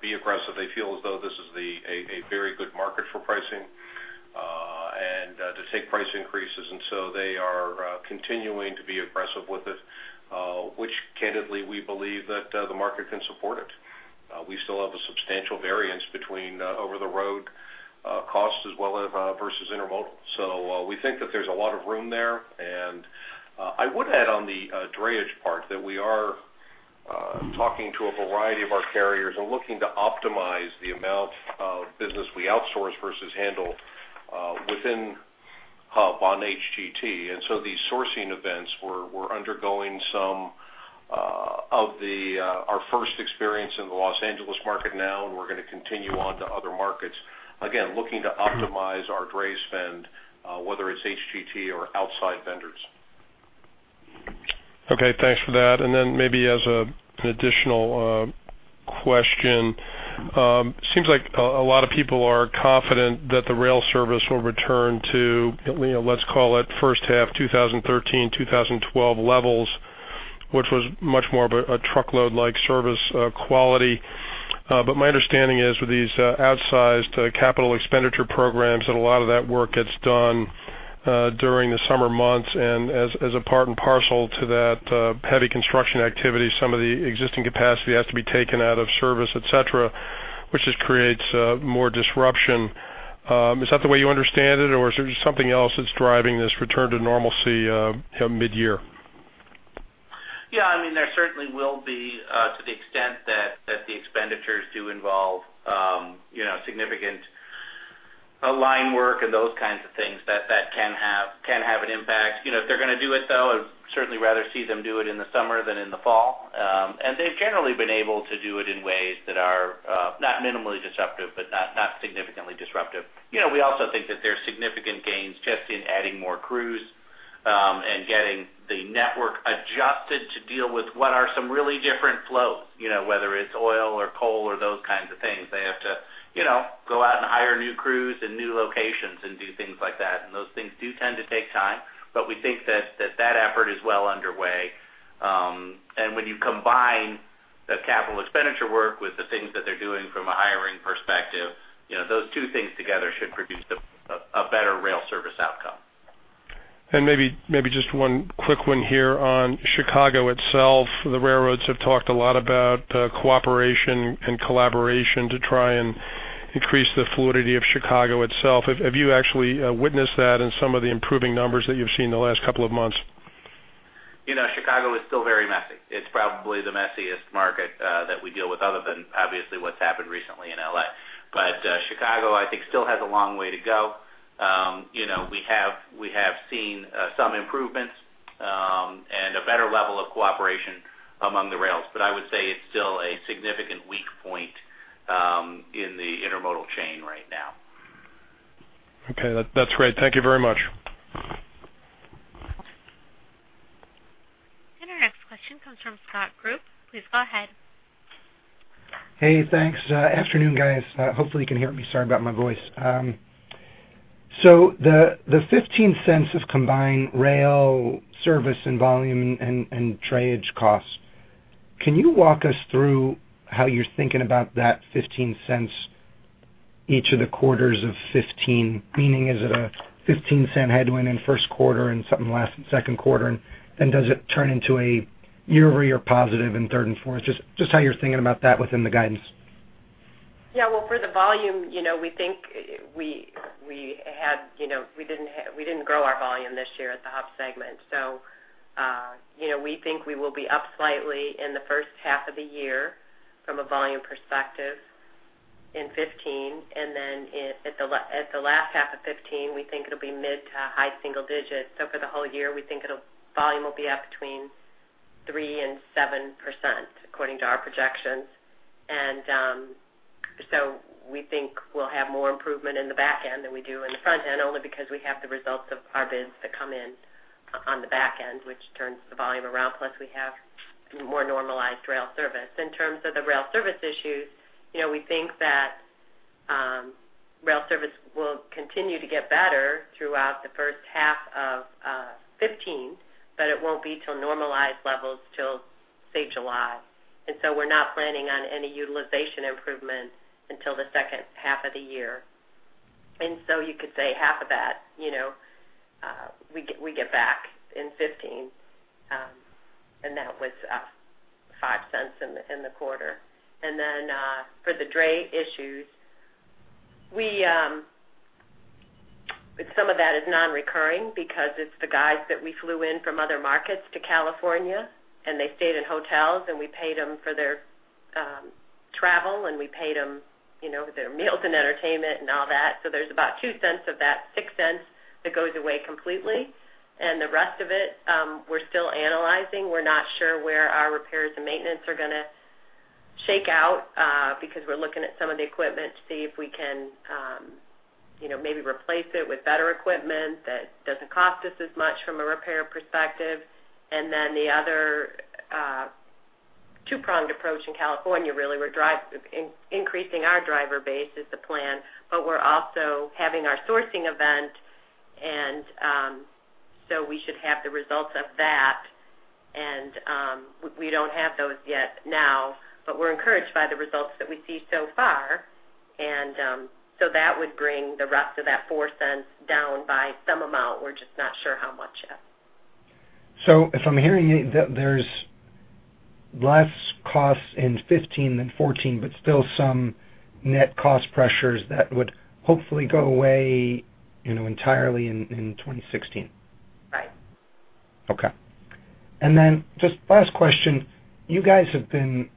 be aggressive. They feel as though this is a very good market for pricing, and to take price increases, and so they are continuing to be aggressive with it, which candidly, we believe that the market can support it. We still have a substantial variance between over the road costs as well as versus intermodal. So, we think that there's a lot of room there. And I would add on the drayage part, that we are talking to a variety of our carriers and looking to optimize the amount of business we outsource versus handle within Hub on HGT. And so these sourcing events, we're undergoing some of our first experience in the Los Angeles market now, and we're gonna continue on to other markets. Again, looking to optimize our dray spend, whether it's HGT or outside vendors. Okay, thanks for that. Then maybe as an additional question. Seems like a lot of people are confident that the rail service will return to, you know, let's call it first half, 2013, 2012 levels, which was much more of a truckload-like service quality. But my understanding is, with these outsized capital expenditure programs and a lot of that work gets done during the summer months, and as a part and parcel to that, heavy construction activity, some of the existing capacity has to be taken out of service, et cetera, which just creates more disruption. Is that the way you understand it, or is there something else that's driving this return to normalcy, you know, mid-year? Yeah, I mean, there certainly will be to the extent that the expenditures do involve you know, significant line work and those kinds of things, that can have an impact. You know, if they're gonna do it, though, I'd certainly rather see them do it in the summer than in the fall. And they've generally been able to do it in ways that are not minimally disruptive, but not significantly disruptive. You know, we also think that there are significant gains just in adding more crews and getting the network adjusted to deal with what are some really different flows, you know, whether it's oil or coal or those kinds of things. They have to, you know, go out and hire new crews in new locations and do things like that, and those things do tend to take time. But we think that that effort is well underway. And when you combine the capital expenditure work with the things that they're doing from a hiring perspective, you know, those two things together should produce a better rail service outcome. And maybe, maybe just one quick one here on Chicago itself. The railroads have talked a lot about cooperation and collaboration to try and increase the fluidity of Chicago itself. Have you actually witnessed that in some of the improving numbers that you've seen in the last couple of months? You know, Chicago is still very messy. It's probably the messiest market, that we deal with, other than obviously, what's happened recently in LA. But, Chicago, I think, still has a long way to go. You know, we have seen some improvements, and a better level of cooperation among the rails. But I would say it's still a significant weak point, in the intermodal chain right now. Okay, that's great. Thank you very much. Our next question comes from Scott Group. Please go ahead. Hey, thanks. Afternoon, guys. Hopefully, you can hear me. Sorry about my voice. So the $0.15 of combined rail service and volume and drayage costs, can you walk us through how you're thinking about that $0.15 each of the quarters of 2015? Meaning, is it a $0.15 headwind in first quarter and something last second quarter, and then does it turn into a year-over-year positive in third and fourth? Just how you're thinking about that within the guidance. Yeah, well, for the volume, you know, we think we didn't grow our volume this year at the Hub segment. So, you know, we think we will be up slightly in the first half of the year from a volume perspective in 2015, and then in the last half of 2015, we think it'll be mid to high single digits. So for the whole year, we think volume will be up between 3% and 7%, according to our projections. So we think we'll have more improvement in the back end than we do in the front end, only because we have the results of our bids to come in on the back end, which turns the volume around, plus we have more normalized rail service. In terms of the rail service issues, you know, we think that rail service will continue to get better throughout the first half of 2015, but it won't be till normalized levels till, say, July. And so we're not planning on any utilization improvements until the second half of the year. And so you could say half of that, you know, we get, we get back in 2015, and that was $0.05 in the quarter. And then, for the dray issues, we... Some of that is non-recurring because it's the guys that we flew in from other markets to California, and they stayed in hotels, and we paid them for their travel, and we paid them, you know, their meals and entertainment and all that. So there's about $0.02 of that $0.06 that goes away completely. The rest of it, we're still analyzing. We're not sure where our repairs and maintenance are gonna shake out, because we're looking at some of the equipment to see if we can, you know, maybe replace it with better equipment that doesn't cost us as much from a repair perspective. And then the other, two-pronged approach in California, really, we're increasing our driver base is the plan, but we're also having our sourcing event, and, so we should have the results of that. And, we don't have those yet now, but we're encouraged by the results that we see so far. And, so that would bring the rest of that $0.04 down by some amount. We're just not sure how much yet. If I'm hearing you, there, there's less costs in 15 than 14, but still some net cost pressures that would hopefully go away, you know, entirely in 2016? Right. Okay. Then just last question, you guys have been,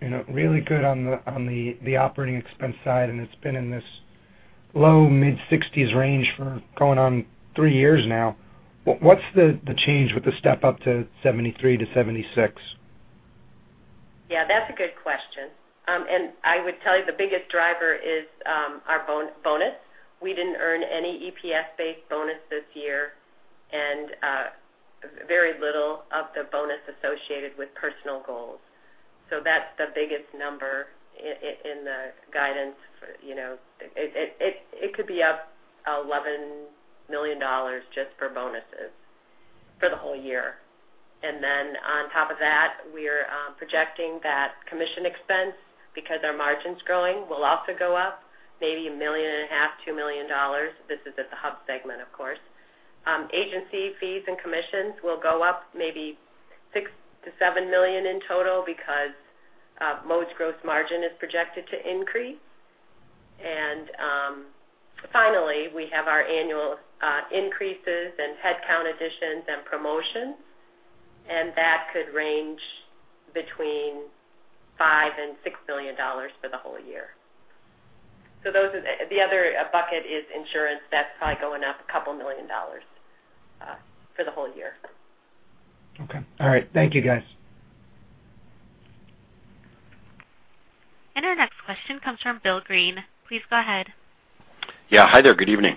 you know, really good on the operating expense side, and it's been in this low-mid 60s range for going on three years now. What's the change with the step up to 73%-76%? Yeah, that's a good question. And I would tell you the biggest driver is, our bonus. We didn't earn any EPS-based bonus this year, and, very little of the bonus associated with personal goals. So that's the biggest number in the guidance. You know, it could be up $11 million just for bonuses for the whole year. And then on top of that, we're projecting that commission expense because our margin's growing, will also go up, maybe $1.5 million-$2 million. This is at the Hub segment, of course. Agency fees and commissions will go up maybe $6 million-$7 million in total because, Mode's gross margin is projected to increase. Finally, we have our annual increases and headcount additions and promotions, and that could range between $5 million and $6 million for the whole year. So those are the other bucket is insurance. That's probably going up $2 million for the whole year. Okay. All right. Thank you, guys. And our next question comes from Bill Greene. Please go ahead. Yeah. Hi there, good evening.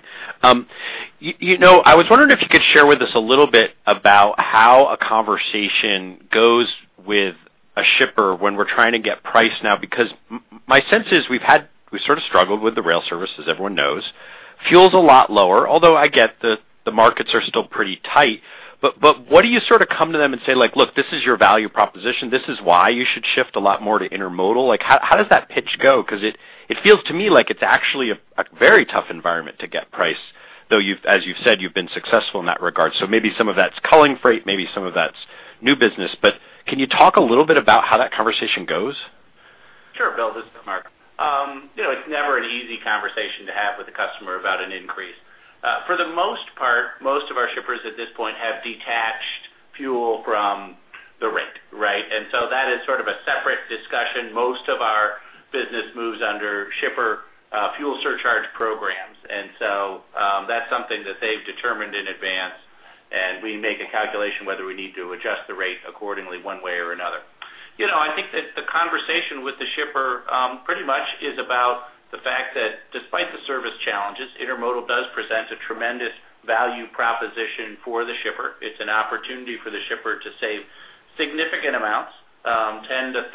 You know, I was wondering if you could share with us a little bit about how a conversation goes with a shipper when we're trying to get price now, because my sense is we've sort of struggled with the rail service, as everyone knows. Fuel's a lot lower, although I get that the markets are still pretty tight. But what do you sort of come to them and say, like, "Look, this is your value proposition. This is why you should shift a lot more to intermodal?" Like, how does that pitch go? 'Cause it feels to me like it's actually a very tough environment to get price, though you've—as you've said, you've been successful in that regard. Maybe some of that's culling freight, maybe some of that's new business, but can you talk a little bit about how that conversation goes? Sure, Bill, this is Mark. You know, it's never an easy conversation to have with a customer about an increase. For the most part, most of our shippers at this point have detached fuel from the rate, right? And so that is sort of a separate discussion. Most of our business moves under shipper fuel surcharge programs, and so that's something that they've determined in advance, and we make a calculation whether we need to adjust the rate accordingly, one way or another. You know, I think that the conversation with the shipper pretty much is about the fact that despite the service challenges, intermodal does present a tremendous value proposition for the shipper. It's an opportunity for the shipper to save significant amounts, 10%-30%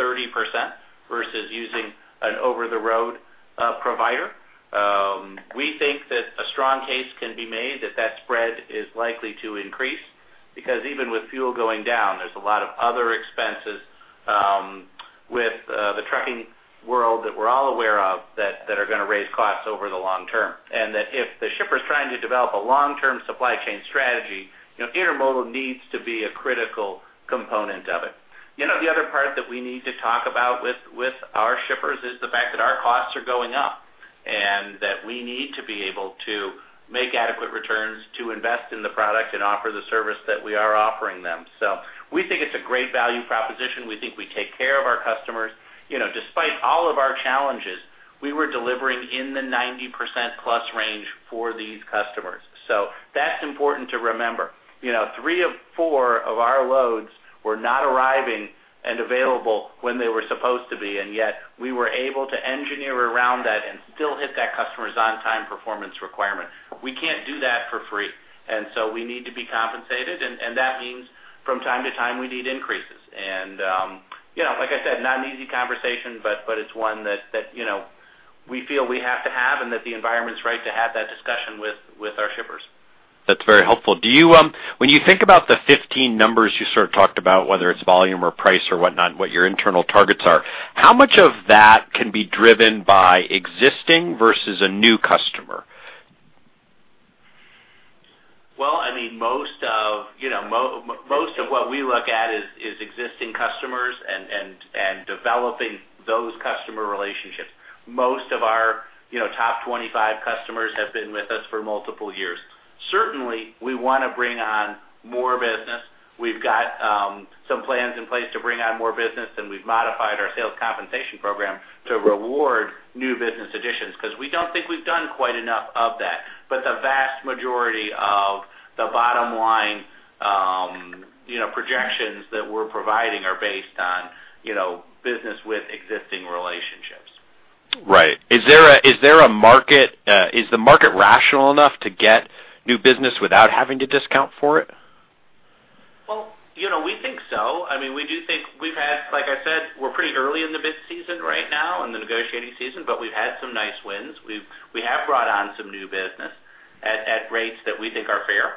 versus using an over-the-road provider. We think that a strong case can be made that that spread is likely to increase because even with fuel going down, there's a lot of other expenses with the trucking world that we're all aware of that are gonna raise costs over the long term. And that if the shipper is trying to develop a long-term supply chain strategy, you know, intermodal needs to be a critical component of it. You know, the other part that we need to talk about with our shippers is the fact that our costs are going up, and that we need to be able to make adequate returns to invest in the product and offer the service that we are offering them. So we think it's a great value proposition. We think we take care of our customers. You know, despite all of our challenges, we were delivering in the 90%+ range for these customers. So that's important to remember. You know, three of four of our loads were not arriving and available when they were supposed to be, and yet we were able to engineer around that and still hit that customer's on-time performance requirement. We can't do that for free, and so we need to be compensated, and that means from time to time, we need increases. You know, like I said, not an easy conversation, but it's one that, you know, we feel we have to have and that the environment's right to have that discussion with our shippers. That's very helpful. Do you, when you think about the 15 numbers you sort of talked about, whether it's volume or price or whatnot, what your internal targets are, how much of that can be driven by existing versus a new customer? Well, I mean, most of what we look at is existing customers and developing those customer relationships. Most of our, you know, top 25 customers have been with us for multiple years. Certainly, we want to bring on more business. We've got some plans in place to bring on more business, and we've modified our sales compensation program to reward new business additions because we don't think we've done quite enough of that. But the vast majority of the bottom line, you know, projections that we're providing are based on, you know, business with existing relationships. Right. Is there a market? Is the market rational enough to get new business without having to discount for it? Well, you know, we think so. I mean, we do think we've had, like I said, we're pretty early in the bid season right now, in the negotiating season, but we've had some nice wins. We have brought on some new business at rates that we think are fair.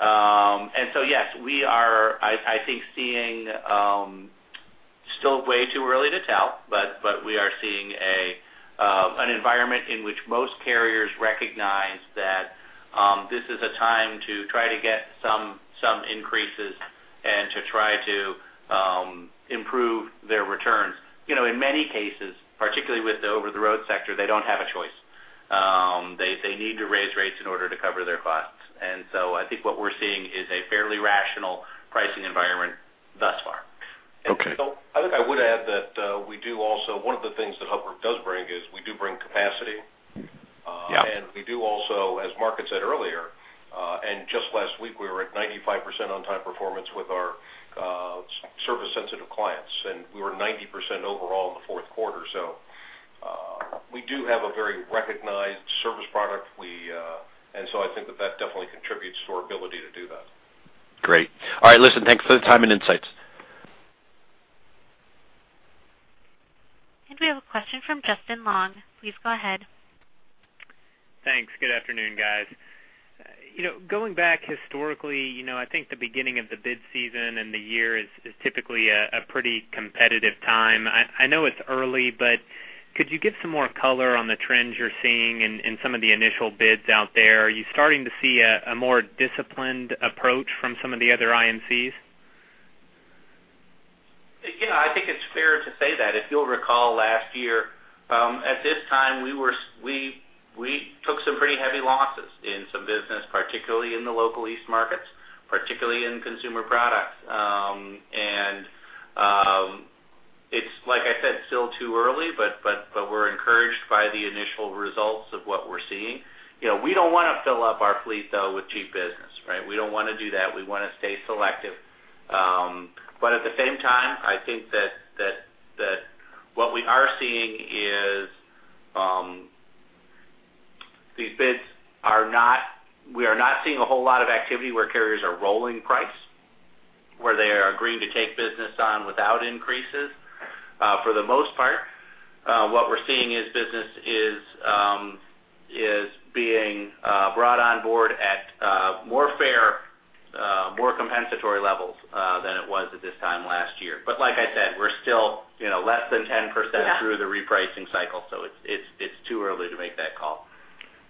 And so, yes, we are, I think seeing, still way too early to tell, but we are seeing an environment in which most carriers recognize that this is a time to try to get some increases and to try to improve their returns. You know, in many cases, particularly with the over-the-road sector, they don't have a choice. They need to raise rates in order to cover their costs. And so I think what we're seeing is a fairly rational pricing environment thus far. Okay. So, I think I would add that, we do also, one of the things that Hub Group does bring is we do bring capacity. Yeah. And we do also, as Mark had said earlier, and just last week, we were at 95% on-time performance with our service-sensitive clients, and we were 90% overall in the fourth quarter. So, we do have a very recognized service product. We... And so I think that that definitely contributes to our ability to do that. Great. All right, listen, thanks for the time and insights. We have a question from Justin Long. Please go ahead. Thanks. Good afternoon, guys. You know, going back historically, you know, I think the beginning of the bid season and the year is typically a pretty competitive time. I know it's early, but could you give some more color on the trends you're seeing in some of the initial bids out there? Are you starting to see a more disciplined approach from some of the other IMCs? You know, I think it's fair to say that. If you'll recall last year, at this time, we were, we took some pretty heavy losses in some business, particularly in the local East markets, particularly in consumer products. And, it's like I said, still too early, but we're encouraged by the initial results of what we're seeing. You know, we don't want to fill up our fleet, though, with cheap business, right? We don't want to do that. We want to stay selective. But at the same time, I think that what we are seeing is, these bids are not, we are not seeing a whole lot of activity where carriers are rolling price, where they are agreeing to take business on without increases. For the most part, what we're seeing is business is being brought on board at more fair, more compensatory levels than it was at this time last year. But like I said, we're still, you know, less than 10%- Yeah... through the repricing cycle, so it's too early to make that call.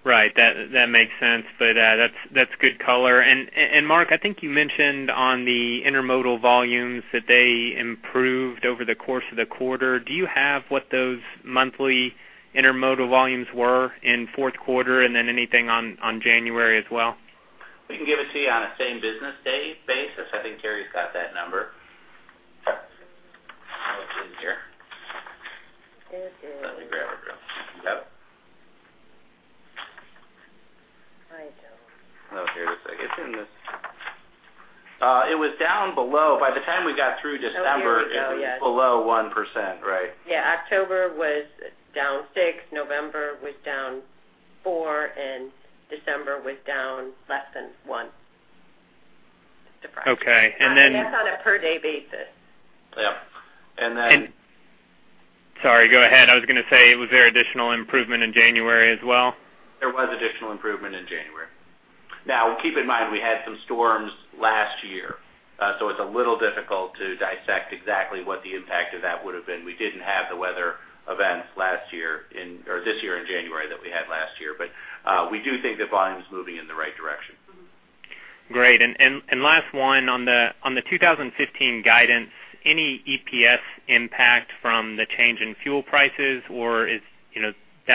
Right. That makes sense, but that's good color. And Mark, I think you mentioned on the intermodal volumes that they improved over the course of the quarter. Do you have what those monthly intermodal volumes were in fourth quarter, and then anything on January as well? We can give it to you on a same business day basis. I think Terri's got that number. Let me grab it real. Yep. I don't. Oh, here, just like, it's in this. It was down below. By the time we got through December, it was below 1%, right? Yeah. October was down 6%, November was down 4%, and December was down less than 1%. Surprise. Okay. And then- That's on a per-day basis. Yeah. And then- Sorry, go ahead. I was gonna say, was there additional improvement in January as well? There was additional improvement in January. Now, keep in mind, we had some storms last year, so it's a little difficult to dissect exactly what the impact of that would have been. We didn't have the weather events last year in, or this year in January, that we had last year, but, we do think that volume is moving in the right direction. Mm-hmm. Great. And last one. On the 2015 guidance, any EPS impact from the change in fuel prices, or is that, you know,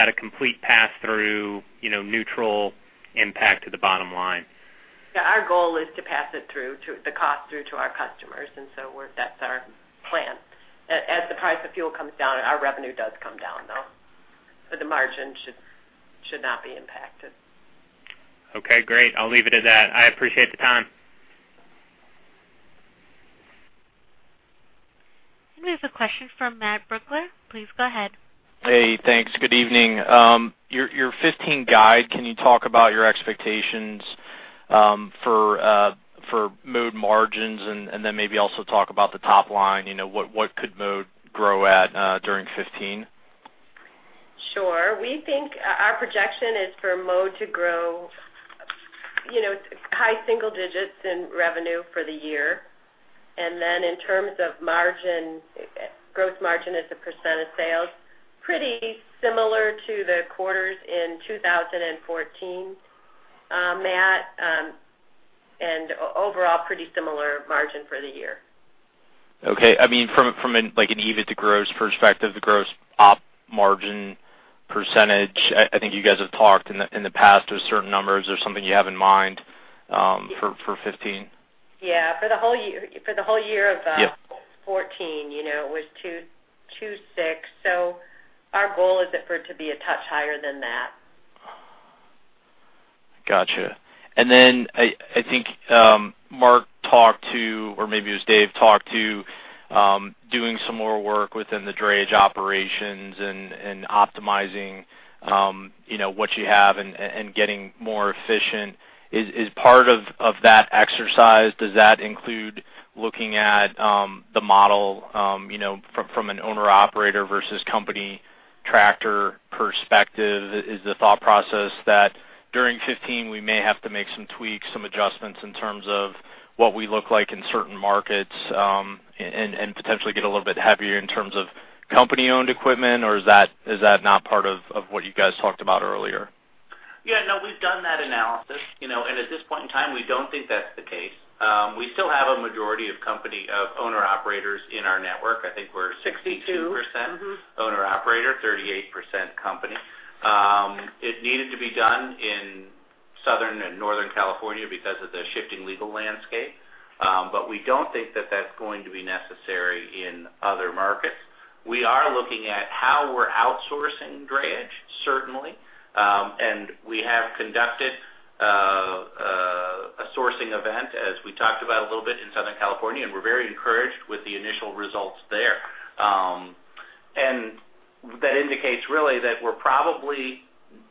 a complete pass-through, you know, neutral impact to the bottom line? Yeah, our goal is to pass it through to the cost through to our customers, and so we're—that's our plan. As the price of fuel comes down, our revenue does come down, though, but the margin should not be impacted. Okay, great. I'll leave it at that. I appreciate the time. We have a question from Matt Brooklier. Please go ahead. Hey, thanks. Good evening. Your 2015 guide, can you talk about your expectations for Mode margins, and then maybe also talk about the top line? You know, what could Mode grow at during 2015? Sure. We think, our projection is for Mode to grow, you know, high single digits in revenue for the year. And then in terms of margin, gross margin as a % of sales, pretty similar to the quarters in 2014, Matt, and overall, pretty similar margin for the year. Okay. I mean, from an, like, an EBIT to gross perspective, the gross op margin percentage, I think you guys have talked in the past to certain numbers. Is there something you have in mind, for 15? Yeah, for the whole year, for the whole year of Yep... 2014, you know, it was 2.26. So our goal is that for it to be a touch higher than that. Gotcha. And then I think Mark talked about, or maybe it was Dave, talked about doing some more work within the drayage operations and optimizing, you know, what you have and getting more efficient. Is part of that exercise, does that include looking at the model, you know, from an owner-operator versus company tractor perspective? Is the thought process that during 2015, we may have to make some tweaks, some adjustments in terms of what we look like in certain markets, and potentially get a little bit heavier in terms of company-owned equipment, or is that not part of what you guys talked about earlier? Yeah, no, we've done that analysis, you know, and at this point in time, we don't think that's the case. We still have a majority of company, of owner-operators in our network. I think we're 62%- Mm-hmm... owner-operator, 38% company. It needed to be done in Southern and Northern California because of the shifting legal landscape. But we don't think that that's going to be necessary in other markets. We are looking at how we're outsourcing drayage, certainly. And we have conducted a sourcing event, as we talked about a little bit in Southern California, and we're very encouraged with the initial results there. And that indicates really that we're probably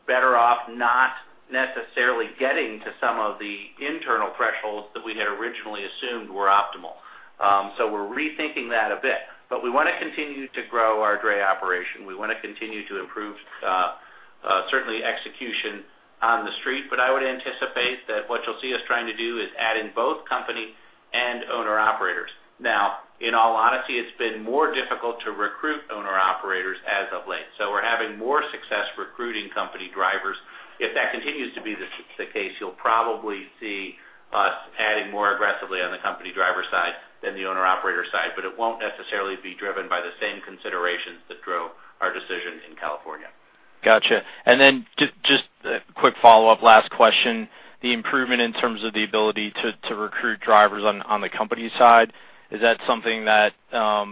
better off not necessarily getting to some of the internal thresholds that we had originally assumed were optimal. So we're rethinking that a bit. But we wanna continue to grow our dray operation. We wanna continue to improve, certainly, execution on the street, but I would anticipate that what you'll see us trying to do is add in both company and owner-operators. Now, in all honesty, it's been more difficult to recruit owner-operators as of late, so we're having more success recruiting company drivers. If that continues to be the case, you'll probably see us adding more aggressively on the company driver side than the owner-operator side, but it won't necessarily be driven by the same considerations that drove our decision in California. Gotcha. And then just, just a quick follow-up, last question. The improvement in terms of the ability to, to recruit drivers on, on the company side, is that something that,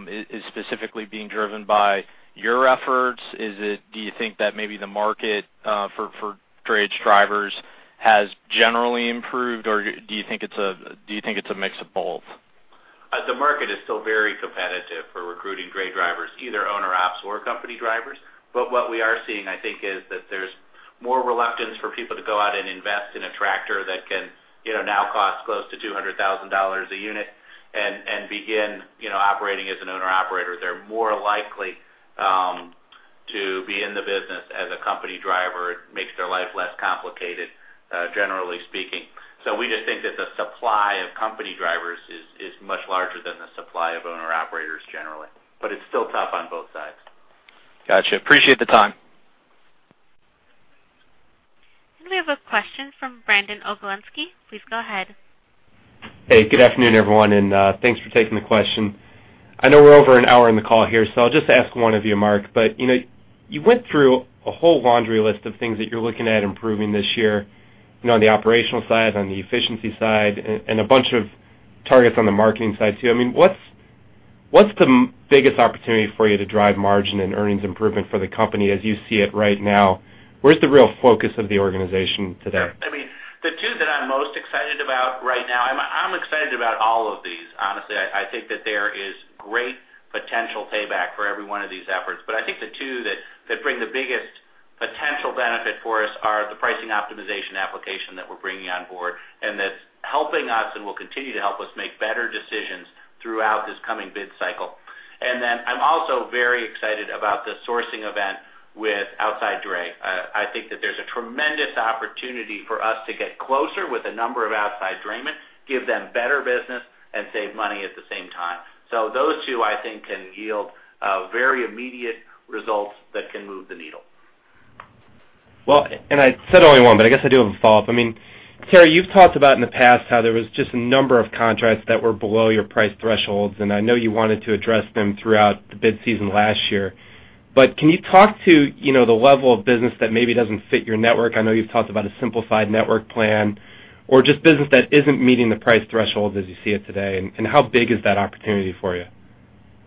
is, is specifically being driven by your efforts? Is it, do you think that maybe the market, for, for drayage drivers has generally improved, or do you think it's a, do you think it's a mix of both? The market is still very competitive for recruiting dray drivers, either owner ops or company drivers. But what we are seeing, I think, is that there's more reluctance for people to go out and invest in a tractor that can, you know, now cost close to $200,000 a unit and, and begin, you know, operating as an owner-operator. They're more likely to be in the business as a company driver. It makes their life less complicated, generally speaking. So we just think that the supply of company drivers is, is much larger than the supply of owner-operators generally, but it's still tough on both sides. Gotcha. Appreciate the time. We have a question from Brandon Oglenski. Please go ahead. Hey, good afternoon, everyone, and thanks for taking the question. I know we're over an hour in the call here, so I'll just ask one of you, Mark. But, you know, you went through a whole laundry list of things that you're looking at improving this year, you know, on the operational side, on the efficiency side, and a bunch of-... targets on the marketing side, too. I mean, what's the biggest opportunity for you to drive margin and earnings improvement for the company as you see it right now? Where's the real focus of the organization today? I mean, the two that I'm most excited about right now. I'm excited about all of these. Honestly, I think that there is great potential payback for every one of these efforts. But I think the two that bring the biggest potential benefit for us are the pricing optimization application that we're bringing on board, and that's helping us and will continue to help us make better decisions throughout this coming bid cycle. And then I'm also very excited about the sourcing event with outside dray. I think that there's a tremendous opportunity for us to get closer with a number of outside draymen, give them better business, and save money at the same time. So those two, I think, can yield very immediate results that can move the needle. Well, and I said only one, but I guess I do have a follow-up. I mean, Terri, you've talked about in the past how there was just a number of contracts that were below your price thresholds, and I know you wanted to address them throughout the bid season last year. But can you talk to, you know, the level of business that maybe doesn't fit your network? I know you've talked about a simplified network plan, or just business that isn't meeting the price threshold as you see it today, and how big is that opportunity for you?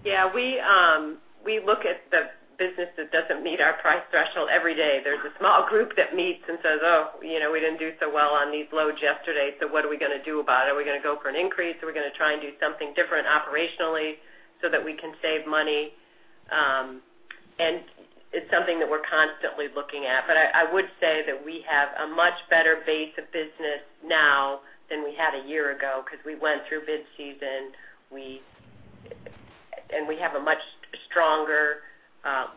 Yeah, we look at the business that doesn't meet our price threshold every day. There's a small group that meets and says, "Oh, you know, we didn't do so well on these loads yesterday, so what are we gonna do about it? Are we gonna go for an increase? Are we gonna try and do something different operationally so that we can save money?" And it's something that we're constantly looking at. But I would say that we have a much better base of business now than we had a year ago because we went through bid season. We have a much stronger,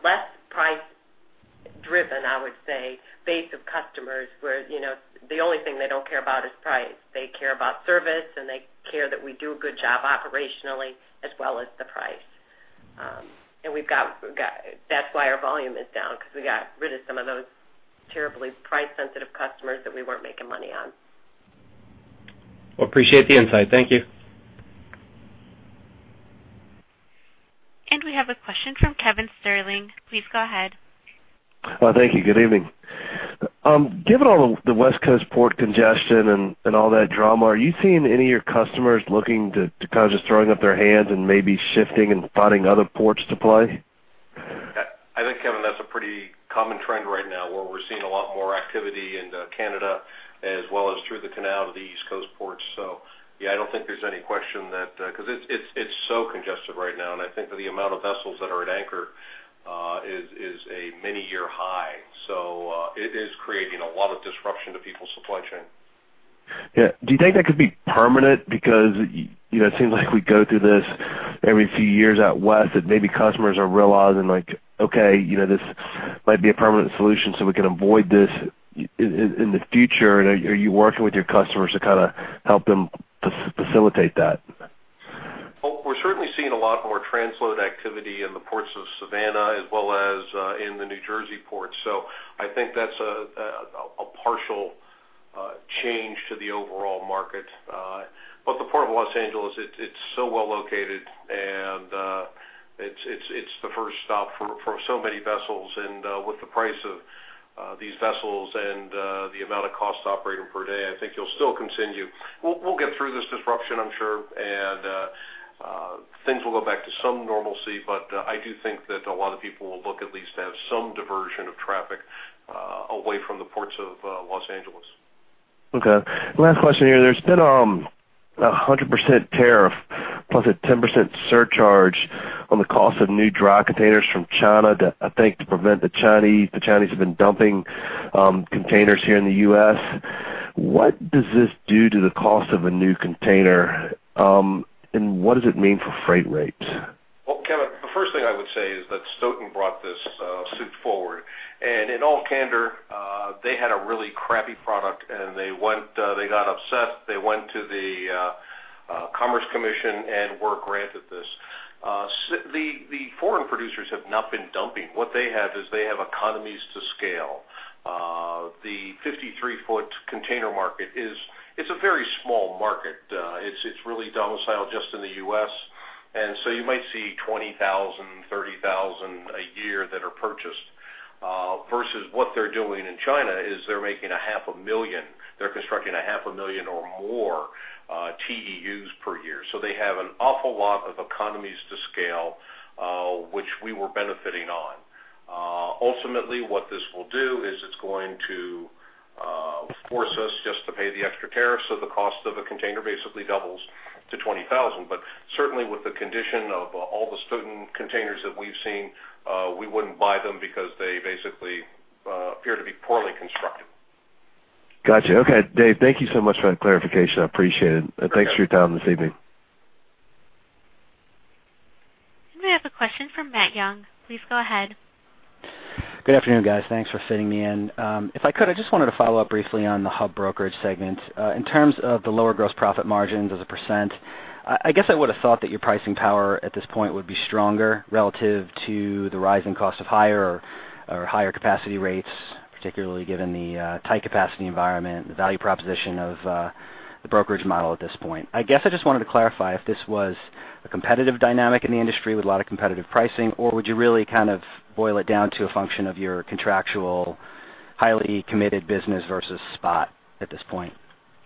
less price-driven, I would say, base of customers where, you know, the only thing they don't care about is price. They care about service, and they care that we do a good job operationally as well as the price. And we've got. That's why our volume is down, because we got rid of some of those terribly price-sensitive customers that we weren't making money on. Well, appreciate the insight. Thank you. We have a question from Kevin Sterling. Please go ahead. Well, thank you. Good evening. Given all of the West Coast port congestion and all that drama, are you seeing any of your customers looking to kind of just throwing up their hands and maybe shifting and finding other ports to play? I think, Kevin, that's a pretty common trend right now, where we're seeing a lot more activity in Canada as well as through the Canal to the East Coast ports. So yeah, I don't think there's any question that because it's so congested right now, and I think that the amount of vessels that are at anchor is a many-year high. So it is creating a lot of disruption to people's supply chain. Yeah. Do you think that could be permanent? Because, you know, it seems like we go through this every few years out west, that maybe customers are realizing, like, Okay, you know, this might be a permanent solution, so we can avoid this in the future. And are you working with your customers to kind of help them facilitate that? Well, we're certainly seeing a lot more transload activity in the ports of Savannah as well as in the New Jersey ports, so I think that's a partial change to the overall market. But the Port of Los Angeles, it's so well located, and it's the first stop for so many vessels. And with the price of these vessels and the amount of cost to operate them per day, I think you'll still continue. We'll get through this disruption, I'm sure, and things will go back to some normalcy, but I do think that a lot of people will look at least to have some diversion of traffic away from the ports of Los Angeles. Okay. Last question here. There's been a 100% tariff plus a 10% surcharge on the cost of new dry containers from China to, I think, to prevent the Chinese... The Chinese have been dumping containers here in the U.S. What does this do to the cost of a new container, and what does it mean for freight rates? Well, Kevin, the first thing I would say is that Stoughton brought this suit forward, and in all candor, they had a really crappy product, and they went, they got upset. They went to the Commerce Commission and were granted this. The foreign producers have not been dumping. What they have is they have economies to scale. The 53-foot container market is, it's a very small market. It's really domiciled just in the U.S., and so you might see 20,000, 30,000 a year that are purchased, versus what they're doing in China is they're making a half a million. They're constructing a half a million or more TEUs per year. So they have an awful lot of economies to scale, which we were benefiting on. Ultimately, what this will do is it's going to force us just to pay the extra tariff, so the cost of a container basically doubles to $20,000. But certainly, with the condition of all the Stoughton containers that we've seen, we wouldn't buy them because they basically appear to be poorly constructed. Gotcha. Okay, Dave, thank you so much for that clarification. I appreciate it. Okay. Thanks for your time this evening. We have a question from Matt Young. Please go ahead. Good afternoon, guys. Thanks for fitting me in. If I could, I just wanted to follow up briefly on the Hub brokerage segment. In terms of the lower gross profit margins as a percent, I guess I would have thought that your pricing power at this point would be stronger relative to the rising cost of higher capacity rates, particularly given the tight capacity environment, the value proposition of the brokerage model at this point. I guess I just wanted to clarify if this was a competitive dynamic in the industry with a lot of competitive pricing, or would you really kind of boil it down to a function of your contractual, highly committed business versus spot at this point?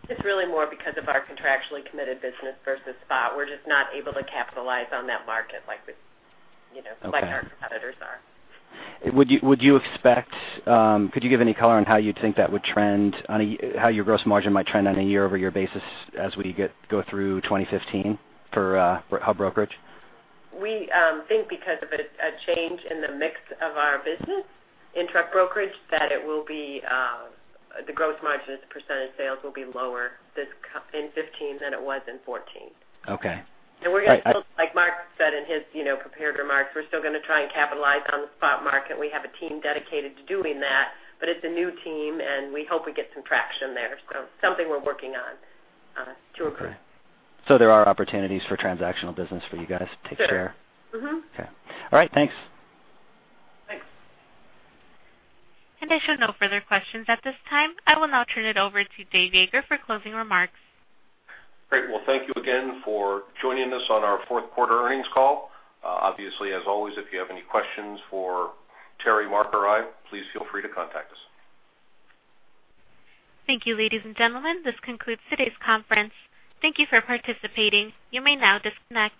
It's really more because of our contractually committed business versus spot. We're just not able to capitalize on that market like we, you know- Okay. like our competitors are. Would you expect, could you give any color on how you think that would trend on a—how your gross margin might trend on a year-over-year basis as we go through 2015 for Hub brokerage? We think because of a change in the mix of our business in truck brokerage, that it will be the gross margin as a % of sales will be lower in 2015 than it was in 2014. Okay. We're gonna still, like Mark said in his, you know, prepared remarks, we're still gonna try and capitalize on the spot market. We have a team dedicated to doing that, but it's a new team, and we hope we get some traction there. So something we're working on to occur. Okay. So there are opportunities for transactional business for you guys to take share? Sure. Mm-hmm. Okay. All right, thanks. Thanks. There are no further questions at this time. I will now turn it over to Dave Yeager for closing remarks. Great. Well, thank you again for joining us on our fourth quarter earnings call. Obviously, as always, if you have any questions for Terri, Mark, or I, please feel free to contact us. Thank you, ladies and gentlemen. This concludes today's conference. Thank you for participating. You may now disconnect.